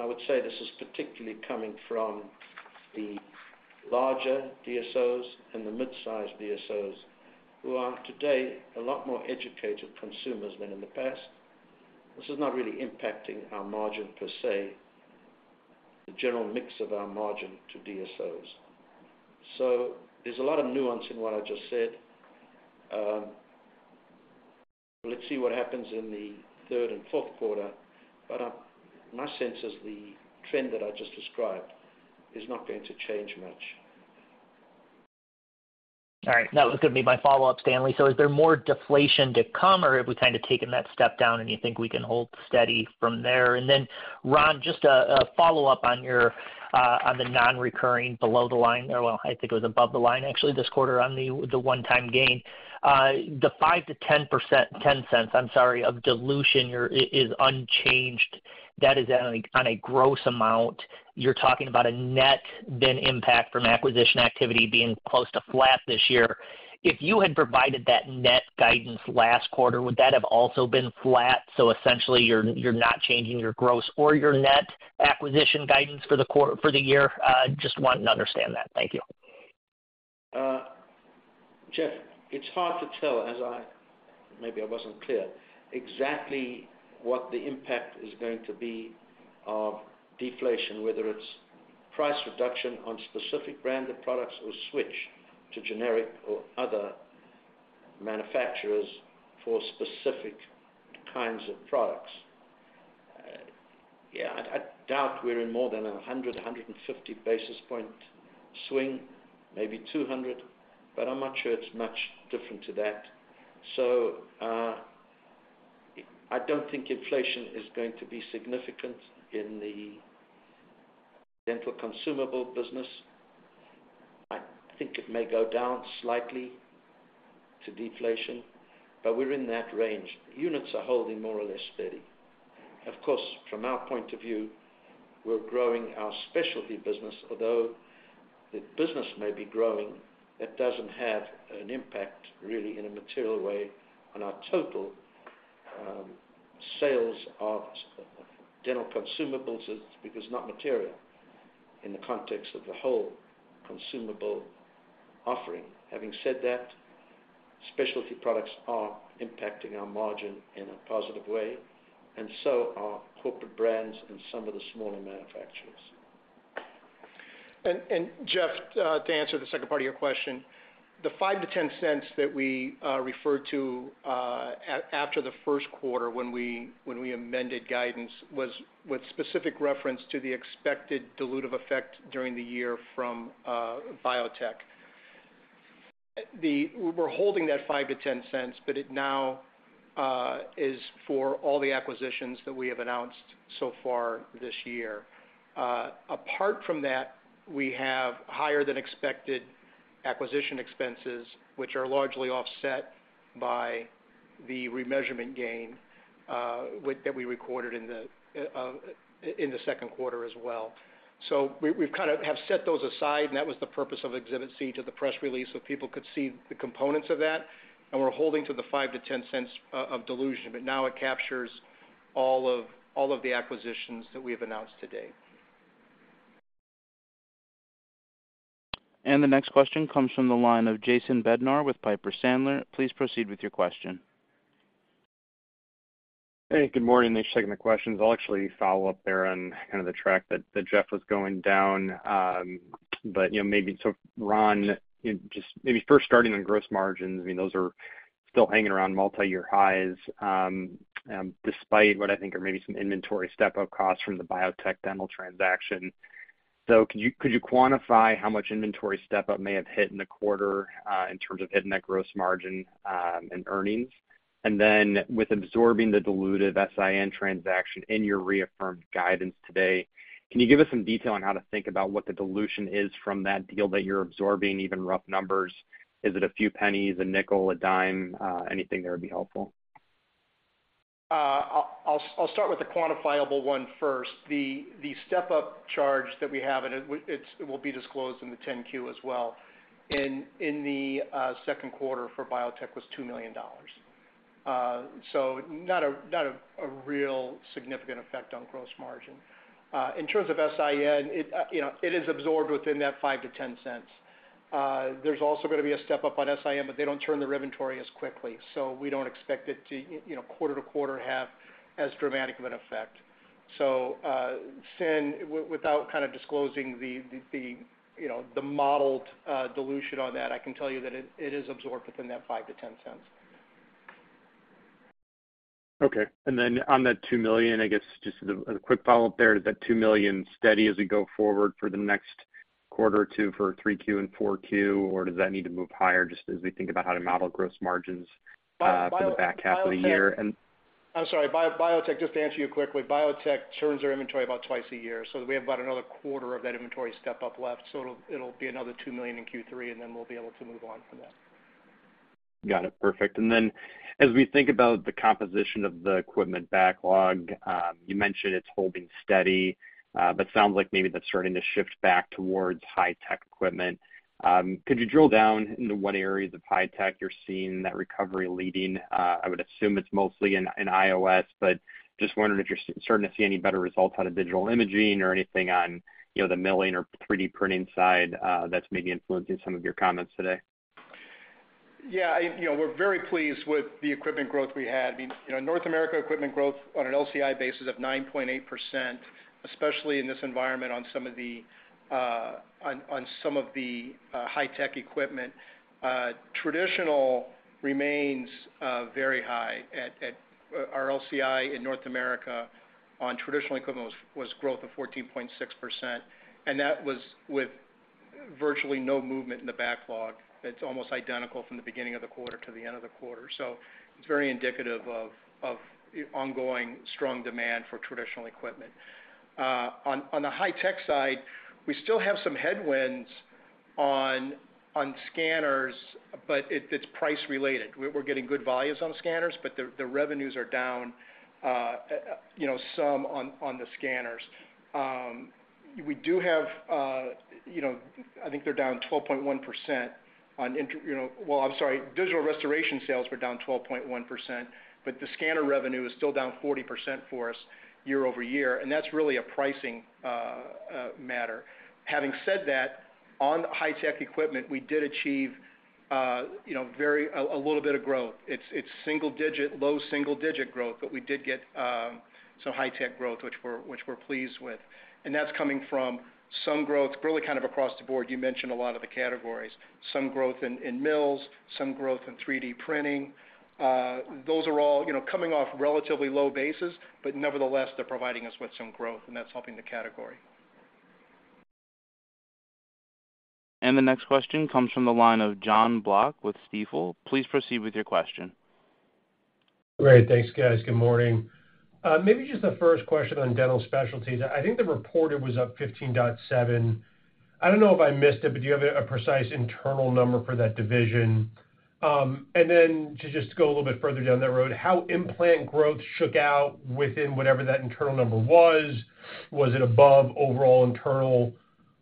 I would say this is particularly coming from the larger DSOs and the mid-sized DSOs, who are today a lot more educated consumers than in the past. This is not really impacting our margin per se, the general mix of our margin to DSOs. There's a lot of nuance in what I just said. Let's see what happens in the third and Q4. My sense is the trend that I just described is not going to change much. All right. That was gonna be my follow-up, Stanley. Is there more deflation to come, or have we kind of taken that step down, and you think we can hold steady from there? Then, Ron, just a, a follow-up on your on the non-recurring below the line, or well, I think it was above the line, actually, this quarter on the one-time gain. The 5%-10%, $0.10, I'm sorry, of dilution is unchanged. That is on a, on a gross amount. You're talking about a net, then, impact from acquisition activity being close to flat this year. If you had provided that net guidance last quarter, would that have also been flat? Essentially, you're, you're not changing your gross or your net acquisition guidance for the quarter for the year. Just wanting to understand that. Thank you. Jeff, it's hard to tell, as I maybe I wasn't clear, exactly what the impact is going to be of deflation, whether it's price reduction on specific branded products or switch to generic or other manufacturers for specific kinds of products. Yeah, I doubt we're in more than 100, 150 basis point swing, maybe 200, but I'm not sure it's much different to that. I don't think inflation is going to be significant in the dental consumable business. I think it may go down slightly to deflation, but we're in that range. Units are holding more or less steady. Of course, from our point of view, we're growing our specialty business. Although the business may be growing, that doesn't have an impact, really, in a material way on our total sales of dental consumables, because it's not material in the context of the whole consumable offering. Having said that, specialty products are impacting our margin in a positive way, and so are corporate brands and some of the smaller manufacturers. Jeff, to answer the second part of your question, the $0.05-$0.10 that we referred to after the Q1 when we amended guidance, was with specific reference to the expected dilutive effect during the year from Biotech Dental. We're holding that $0.05-$0.10, but it now is for all the acquisitions that we have announced so far this year. Apart from that, we have higher-than-expected acquisition expenses, which are largely offset by the remeasurement gain, with, that we recorded in the Q2 as well. we, we've kind of have set those aside, and that was the purpose of Exhibit C to the press release, so people could see the components of that, and we're holding to the $0.05-$0.10 of dilution, but now it captures all of the acquisitions that we have announced today. The next question comes from the line of Jason Bednar with Piper Sandler. Please proceed with your question. Hey, good morning. Thanks for taking the questions. I'll actually follow up there on kind of the track that, that Jeff was going down. You know, maybe so, Ron, just maybe first starting on gross margins, I mean, those are still hanging around multiyear highs, despite what I think are maybe some inventory step-up costs from the Biotech Dental transaction. Could you, could you quantify how much inventory step-up may have hit in the quarter, in terms of hitting that gross margin, and earnings? Then with absorbing the diluted SIN transaction in your reaffirmed guidance today, can you give us some detail on how to think about what the dilution is from that deal that you're absorbing, even rough numbers? Is it a few pennies, a nickel, a dime? Anything there would be helpful. I'll, I'll start with the quantifiable one first. The, the step-up charge that we have, and it, it will be disclosed in the 10-Q as well, in, in the Q2 for Biotech was $2 million. So not a, not a, a real significant effect on gross margin. In terms of SIN, it, you know, it is absorbed within that $0.05-$0.10. There's also gonna be a step-up on SIN, but they don't turn their inventory as quickly, so we don't expect it to, you know, quarter to quarter have as dramatic of an effect. SIN, wi-without kind of disclosing the, the, you know, the modeled dilution on that, I can tell you that it, it is absorbed within that $0.05-$0.10. Okay. On that $2 million, I guess just a quick follow-up there. Is that $2 million steady as we go forward for the next quarter or two, for 3Q and 4Q, or does that need to move higher just as we think about how to model gross margins for the back half of the year and... I'm sorry, Biotech, just to answer you quickly, Biotech turns their inventory about twice a year. We have about another quarter of that inventory step-up left. It'll be another $2 million in Q3. Then we'll be able to move on from that. Got it. Perfect. As we think about the composition of the equipment backlog, you mentioned it's holding steady, but sounds like maybe that's starting to shift back towards high tech equipment. Could you drill down into what areas of high tech you're seeing that recovery leading? I would assume it's mostly in, in iOS, but just wondering if you're starting to see any better results out of digital imaging or anything on, you know, the milling or 3D printing side, that's maybe influencing some of your comments today. Yeah, you know, we're very pleased with the equipment growth we had. I mean, you know, North America equipment growth on an LCI basis of 9.8%, especially in this environment on some of the high tech equipment. Traditional remains very high at our LCI in North America on traditional equipment was growth of 14.6%, and that was with virtually no movement in the backlog. It's almost identical from the beginning of the quarter to the end of the quarter, so it's very indicative of ongoing strong demand for traditional equipment. On the high tech side, we still have some headwinds on scanners, but it's price related. We're getting good volumes on scanners, but the revenues are down, you know, some on the scanners. We do have, you know, I think they're down 12.1% on inter-- you know, well, I'm sorry, digital restoration sales were down 12.1%, but the scanner revenue is still down 40% for us year-over-year, and that's really a pricing matter. Having said that, on high tech equipment, we did achieve, you know, very... a, a little bit of growth. It's, it's single digit, low single digit growth, but we did get some high tech growth, which we're, which we're pleased with, and that's coming from some growth, really kind of across the board. You mentioned a lot of the categories. Some growth in, in mills, some growth in 3D printing. Those are all, you know, coming off relatively low bases, but nevertheless, they're providing us with some growth, and that's helping the category. The next question comes from the line of Jonathan Block with Stifel. Please proceed with your question. Great. Thanks, guys. Good morning. Maybe just the 1st question on dental specialties. I think the reporter was up 15.7%. I don't know if I missed it, but do you have a precise internal number for that division? Then to just go a little bit further down that road, how implant growth shook out within whatever that internal number was? Was it above overall, internal,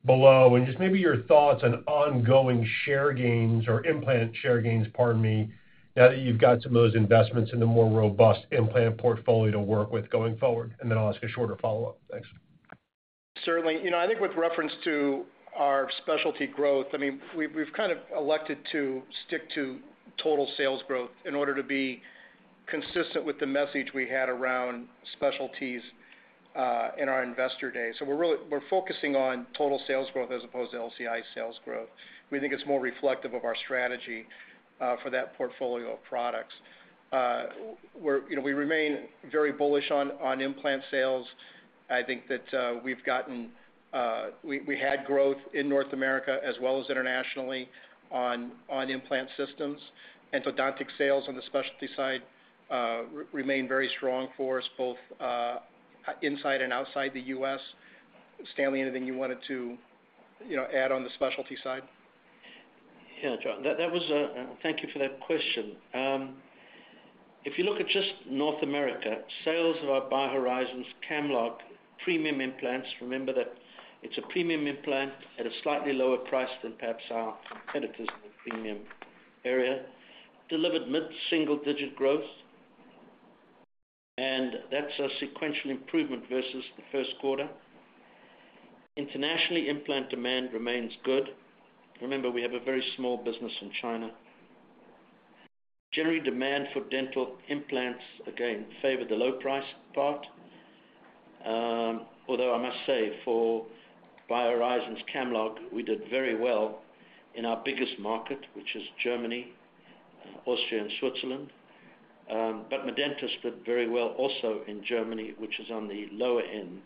below? Just maybe your thoughts on ongoing share gains or implant share gains, pardon me, now that you've got some of those investments in the more robust implant portfolio to work with going forward. Then I'll ask a shorter follow-up. Thanks. Certainly. You know, I think with reference to our specialty growth, I mean, we've, we've kind of elected to stick to total sales growth in order to be consistent with the message we had around specialties, in our investor day. We're focusing on total sales growth as opposed to LCI sales growth. We think it's more reflective of our strategy for that portfolio of products. You know, we remain very bullish on, on implant sales. I think that we've gotten, we, we had growth in North America as well as internationally on, on implant systems. Endodontic sales on the specialty side, remain very strong for us, both inside and outside the U.S. Stanley, anything you wanted to, you know, add on the specialty side? Yeah, John, that, that was. Thank you for that question. If you look at just North America, sales of our BioHorizons Camlog premium implants, remember that it's a premium implant at a slightly lower price than perhaps our competitors in the premium area, delivered mid-single digit growth. That's a sequential improvement versus the Q1. Internationally, implant demand remains good. Remember, we have a very small business in China. Generally, demand for dental implants, again, favor the low price part. Although I must say, for BioHorizons Camlog, we did very well in our biggest market, which is Germany, Austria, and Switzerland. Medentis did very well also in Germany, which is on the lower end.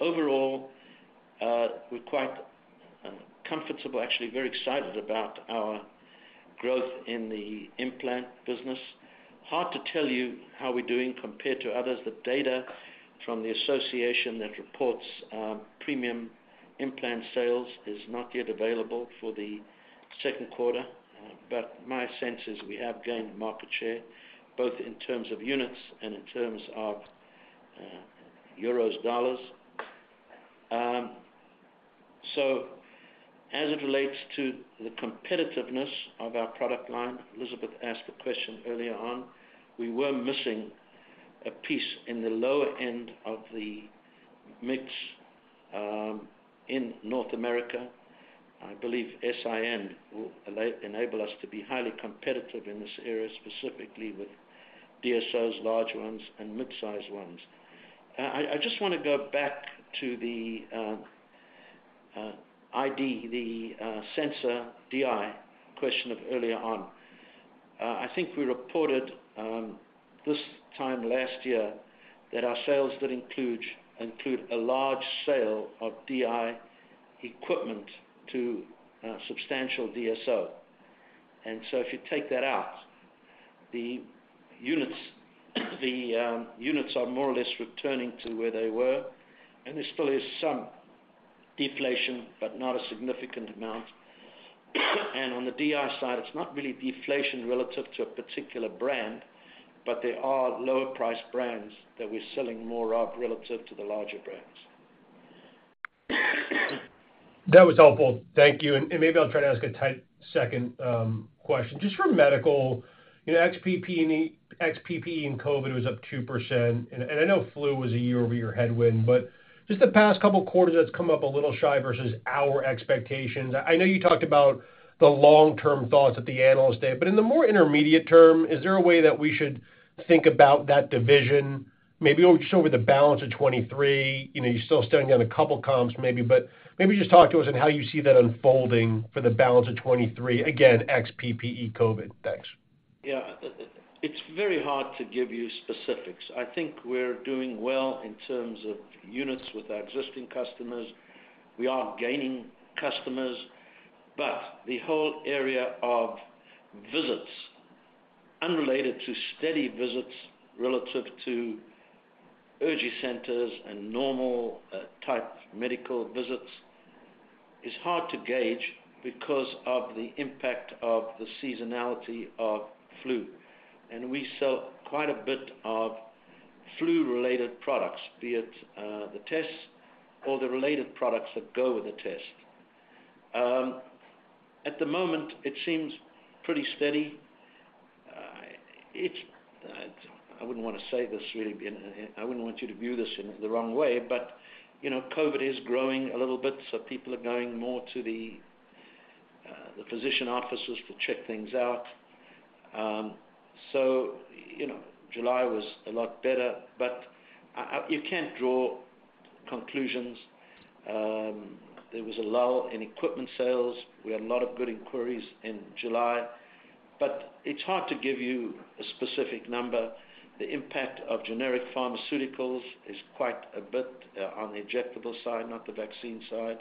Overall, we're quite comfortable, actually very excited about our growth in the implant business. Hard to tell you how we're doing compared to others. The data from the association that reports premium implant sales is not yet available for the Q2, but my sense is we have gained market share, both in terms of units and in terms of euros, dollars. So as it relates to the competitiveness of our product line, Elizabeth asked a question earlier on. We were missing a piece in the lower end of the mix in North America. I believe S.I.N. will enable us to be highly competitive in this area, specifically with DSOs, large ones and mid-sized ones. I just want to go back to the ID, the sensor DI question of earlier on. I think we reported this time last year that our sales did include, include a large sale of DI equipment to a substantial DSO. So if you take that out, the units, the units are more or less returning to where they were, and there still is some deflation, but not a significant amount. On the DI side, it's not really deflation relative to a particular brand, but there are lower priced brands that we're selling more of relative to the larger brands. That was helpful. Thank you. And maybe I'll try to ask a tight second question. Just for medical, ex PPE and COVID was up 2%, and I know flu was a year-over-year headwind, but just the past couple of quarters, that's come up a little shy versus our expectations. I know you talked about the long-term thoughts at the Analyst Day, but in the more intermediate term, is there a way that we should think about that division? Maybe just over the balance of 23, you know, you're still starting on a couple comps maybe, but maybe just talk to us on how you see that unfolding for the balance of 23, again, ex PPE COVID. Thanks. Yeah. It's very hard to give you specifics. I think we're doing well in terms of units with our existing customers. We are gaining customers, but the whole area of visits unrelated to steady visits, relative to urgent centers and normal type medical visits, is hard to gauge because of the impact of the seasonality of flu. We sell quite a bit of flu-related products, be it the tests or the related products that go with the test. At the moment, it seems pretty steady. I wouldn't want to say this, really, being, I wouldn't want you to view this in the wrong way, but, you know, COVID is growing a little bit, so people are going more to the physician offices to check things out. You know, July was a lot better, but you can't draw conclusions. There was a lull in equipment sales. We had a lot of good inquiries in July, but it's hard to give you a specific number. The impact of generic pharmaceuticals is quite a bit on the injectable side, not the vaccine side.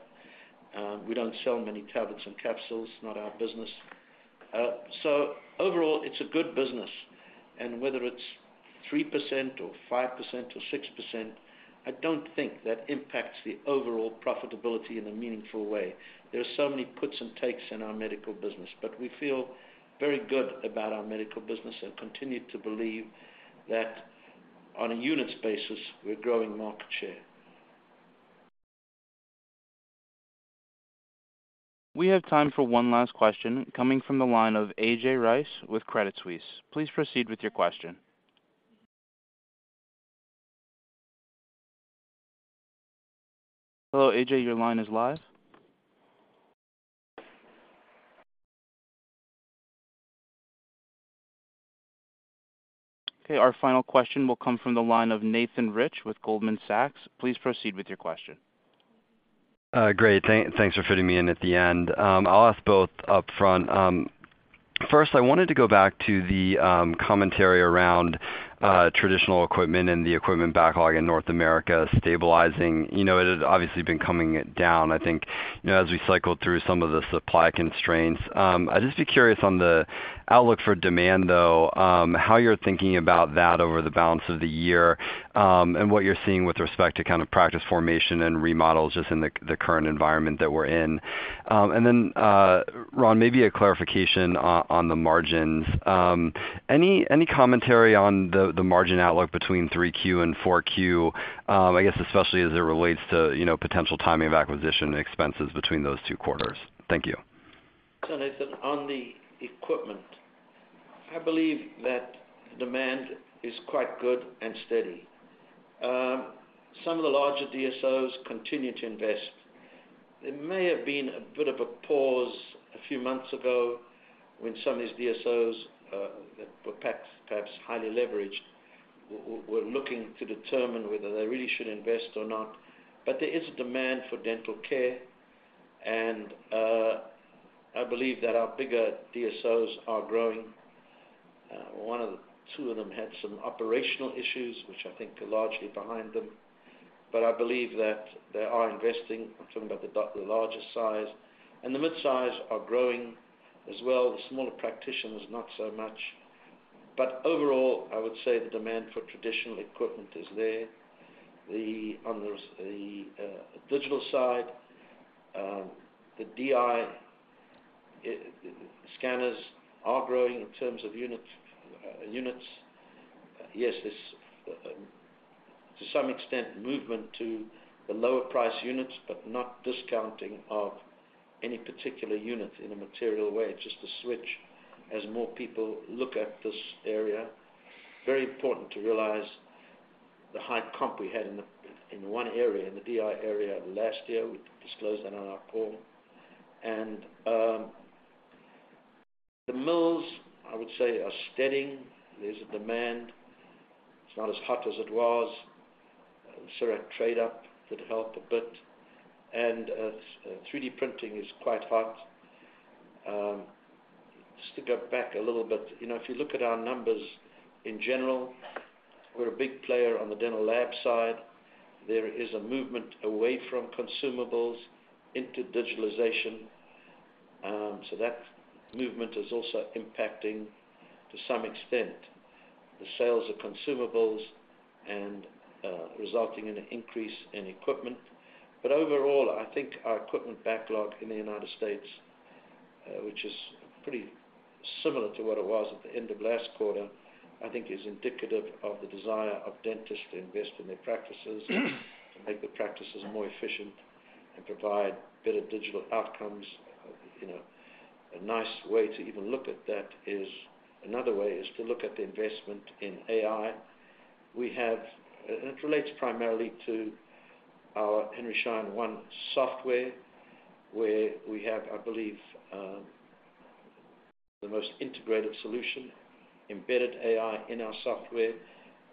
We don't sell many tablets and capsules, not our business. Overall, it's a good business, and whether it's 3% or 5% or 6%, I don't think that impacts the overall profitability in a meaningful way. There are so many puts and takes in our medical business, but we feel very good about our medical business and continue to believe that on a units basis, we're growing market share. We have time for one last question, coming from the line of A.J. Rice with Credit Suisse. Please proceed with your question. Hello, A.J., your line is live. Okay, our final question will come from the line of Nathan Rich with Goldman Sachs. Please proceed with your question. Great. Thanks for fitting me in at the end. I'll ask both up front. First, I wanted to go back to the commentary around traditional equipment and the equipment backlog in North America stabilizing. You know, it has obviously been coming down, I think, you know, as we cycle through some of the supply constraints. I'd just be curious on the outlook for demand, though, how you're thinking about that over the balance of the year, and what you're seeing with respect to kind of practice formation and remodels just in the current environment that we're in. And then, Ron, maybe a clarification on the margins. Any commentary on the margin outlook between 3Q and 4Q? I guess, especially as it relates to, you know, potential timing of acquisition expenses between those two quarters. Thank you. Nathan, on the equipment, I believe that demand is quite good and steady. Some of the larger DSOs continue to invest. There may have been a bit of a pause a few months ago when some of these DSOs that were perhaps highly leveraged, were looking to determine whether they really should invest or not. There is a demand for dental care, and I believe that our bigger DSOs are growing. One of the two of them had some operational issues, which I think are largely behind them, but I believe that they are investing. I'm talking about the larger size, and the midsize are growing as well. The smaller practitioners, not so much. Overall, I would say the demand for traditional equipment is there. The, on the, the digital side, the DI scanners are growing in terms of units, units. Yes, there's to some extent, movement to the lower price units, but not discounting of any particular unit in a material way. It's just a switch as more people look at this area. Very important to realize the high comp we had in, in 1 area, in the DI area last year. We disclosed that on our call. The mills, I would say, are steadying. There's a demand. It's not as hot as it was. CEREC trade up did help a bit, 3D printing is quite hot. Just to go back a little bit, you know, if you look at our numbers in general, we're a big player on the dental lab side. There is a movement away from consumables into digitalization. So that movement is also impacting, to some extent, the sales of consumables and resulting in an increase in equipment. Overall, I think our equipment backlog in the United States, which is pretty similar to what it was at the end of last quarter, I think is indicative of the desire of dentists to invest in their practices, to make the practices more efficient and provide better digital outcomes. You know, a nice way to even look at that another way, is to look at the investment in AI. We have. It relates primarily to our Henry Schein One software, where we have, I believe, the most integrated solution, embedded AI in our software,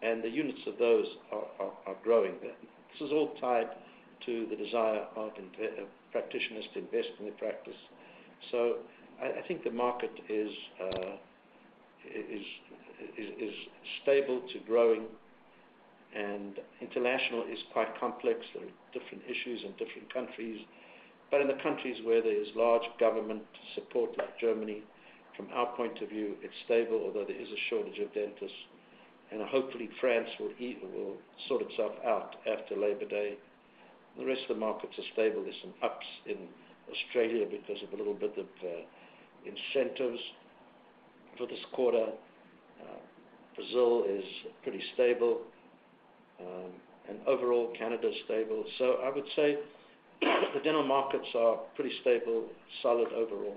and the units of those are, are, are growing. This is all tied to the desire of practitioners to invest in their practice. I, I think the market is, is, is, is stable to growing, and international is quite complex. There are different issues in different countries, but in the countries where there is large government support, like Germany, from our point of view, it's stable, although there is a shortage of dentists, and hopefully France will sort itself out after Labor Day. The rest of the markets are stable. There's some ups in Australia because of a little bit of incentives for this quarter. Brazil is pretty stable, and overall, Canada is stable. I would say, the dental markets are pretty stable, solid overall.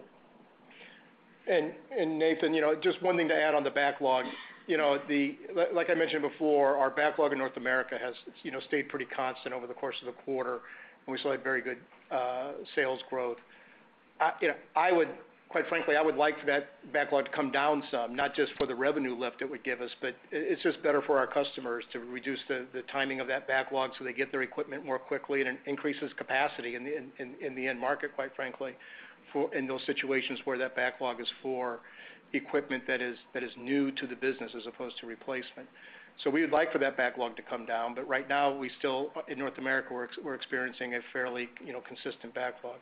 Nathan, you know, just one thing to add on the backlog. You know, like I mentioned before, our backlog in North America has, you know, stayed pretty constant over the course of the quarter, and we still had very good sales growth. You know, quite frankly, I would like for that backlog to come down some, not just for the revenue lift it would give us, but it, it's just better for our customers to reduce the timing of that backlog so they get their equipment more quickly and it increases capacity in the end market, quite frankly. In those situations where that backlog is for equipment that is new to the business as opposed to replacement. We would like for that backlog to come down, but right now, we still, in North America, we're experiencing a fairly, you know, consistent backlog.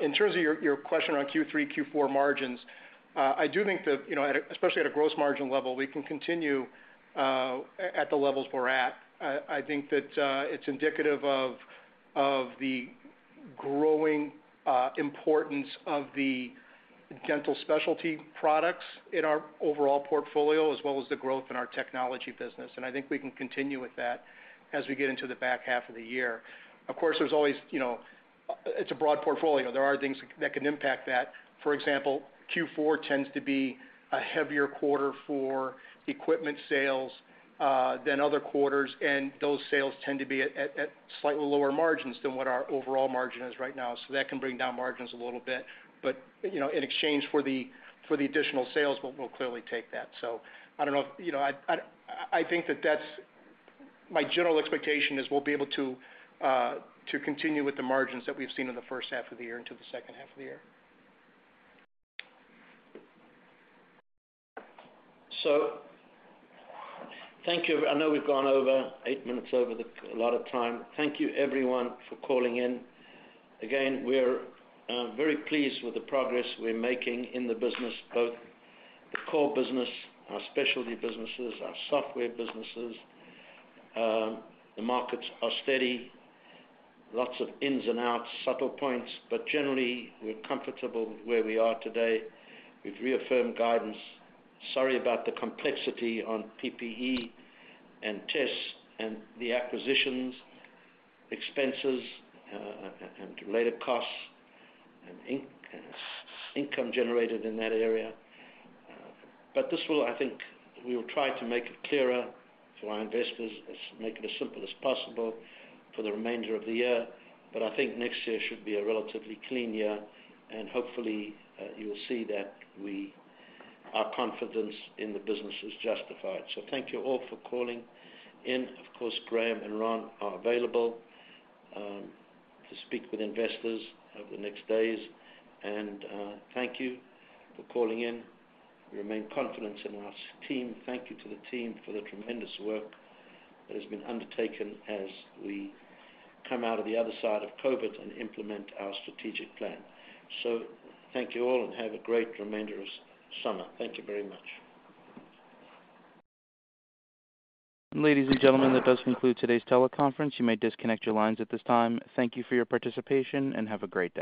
In terms of your question on Q3, Q4 margins, I do think that, you know, especially at a gross margin level, we can continue at the levels we're at. I think that it's indicative of the growing importance of the dental specialty products in our overall portfolio, as well as the growth in our technology business. I think we can continue with that as we get into the back half of the year. Of course, there's always, you know, It's a broad portfolio. There are things that can impact that. For example, Q4 tends to be a heavier quarter for equipment sales, than other quarters, and those sales tend to be at slightly lower margins than what our overall margin is right now, so that can bring down margins a little bit. you know, in exchange for the, for the additional sales, we'll, we'll clearly take that. I don't know if, you know, I, I, I think that that's my general expectation, is we'll be able to continue with the margins that we've seen in the first half of the year into the second half of the year. Thank you. I know we've gone over, 8 minutes over the allotted time. Thank you, everyone, for calling in. Again, we're very pleased with the progress we're making in the business, both the core business, our specialty businesses, our software businesses. The markets are steady. Lots of ins and outs, subtle points, but generally, we're comfortable with where we are today. We've reaffirmed guidance. Sorry about the complexity on PPE and tests, and the acquisitions, expenses, and related costs, and income generated in that area. This will I think we will try to make it clearer for our investors, as make it as simple as possible for the remainder of the year. I think next year should be a relatively clean year, and hopefully, you will see that our confidence in the business is justified. Thank you all for calling in. Of course, Graham and Ron are available to speak with investors over the next days. Thank you for calling in. We remain confident in our team. Thank you to the team for the tremendous work that has been undertaken as we come out of the other side of COVID and implement our strategic plan. Thank you all, and have a great remainder of summer. Thank you very much. Ladies and gentlemen, that does conclude today's teleconference. You may disconnect your lines at this time. Thank you for your participation. Have a great day.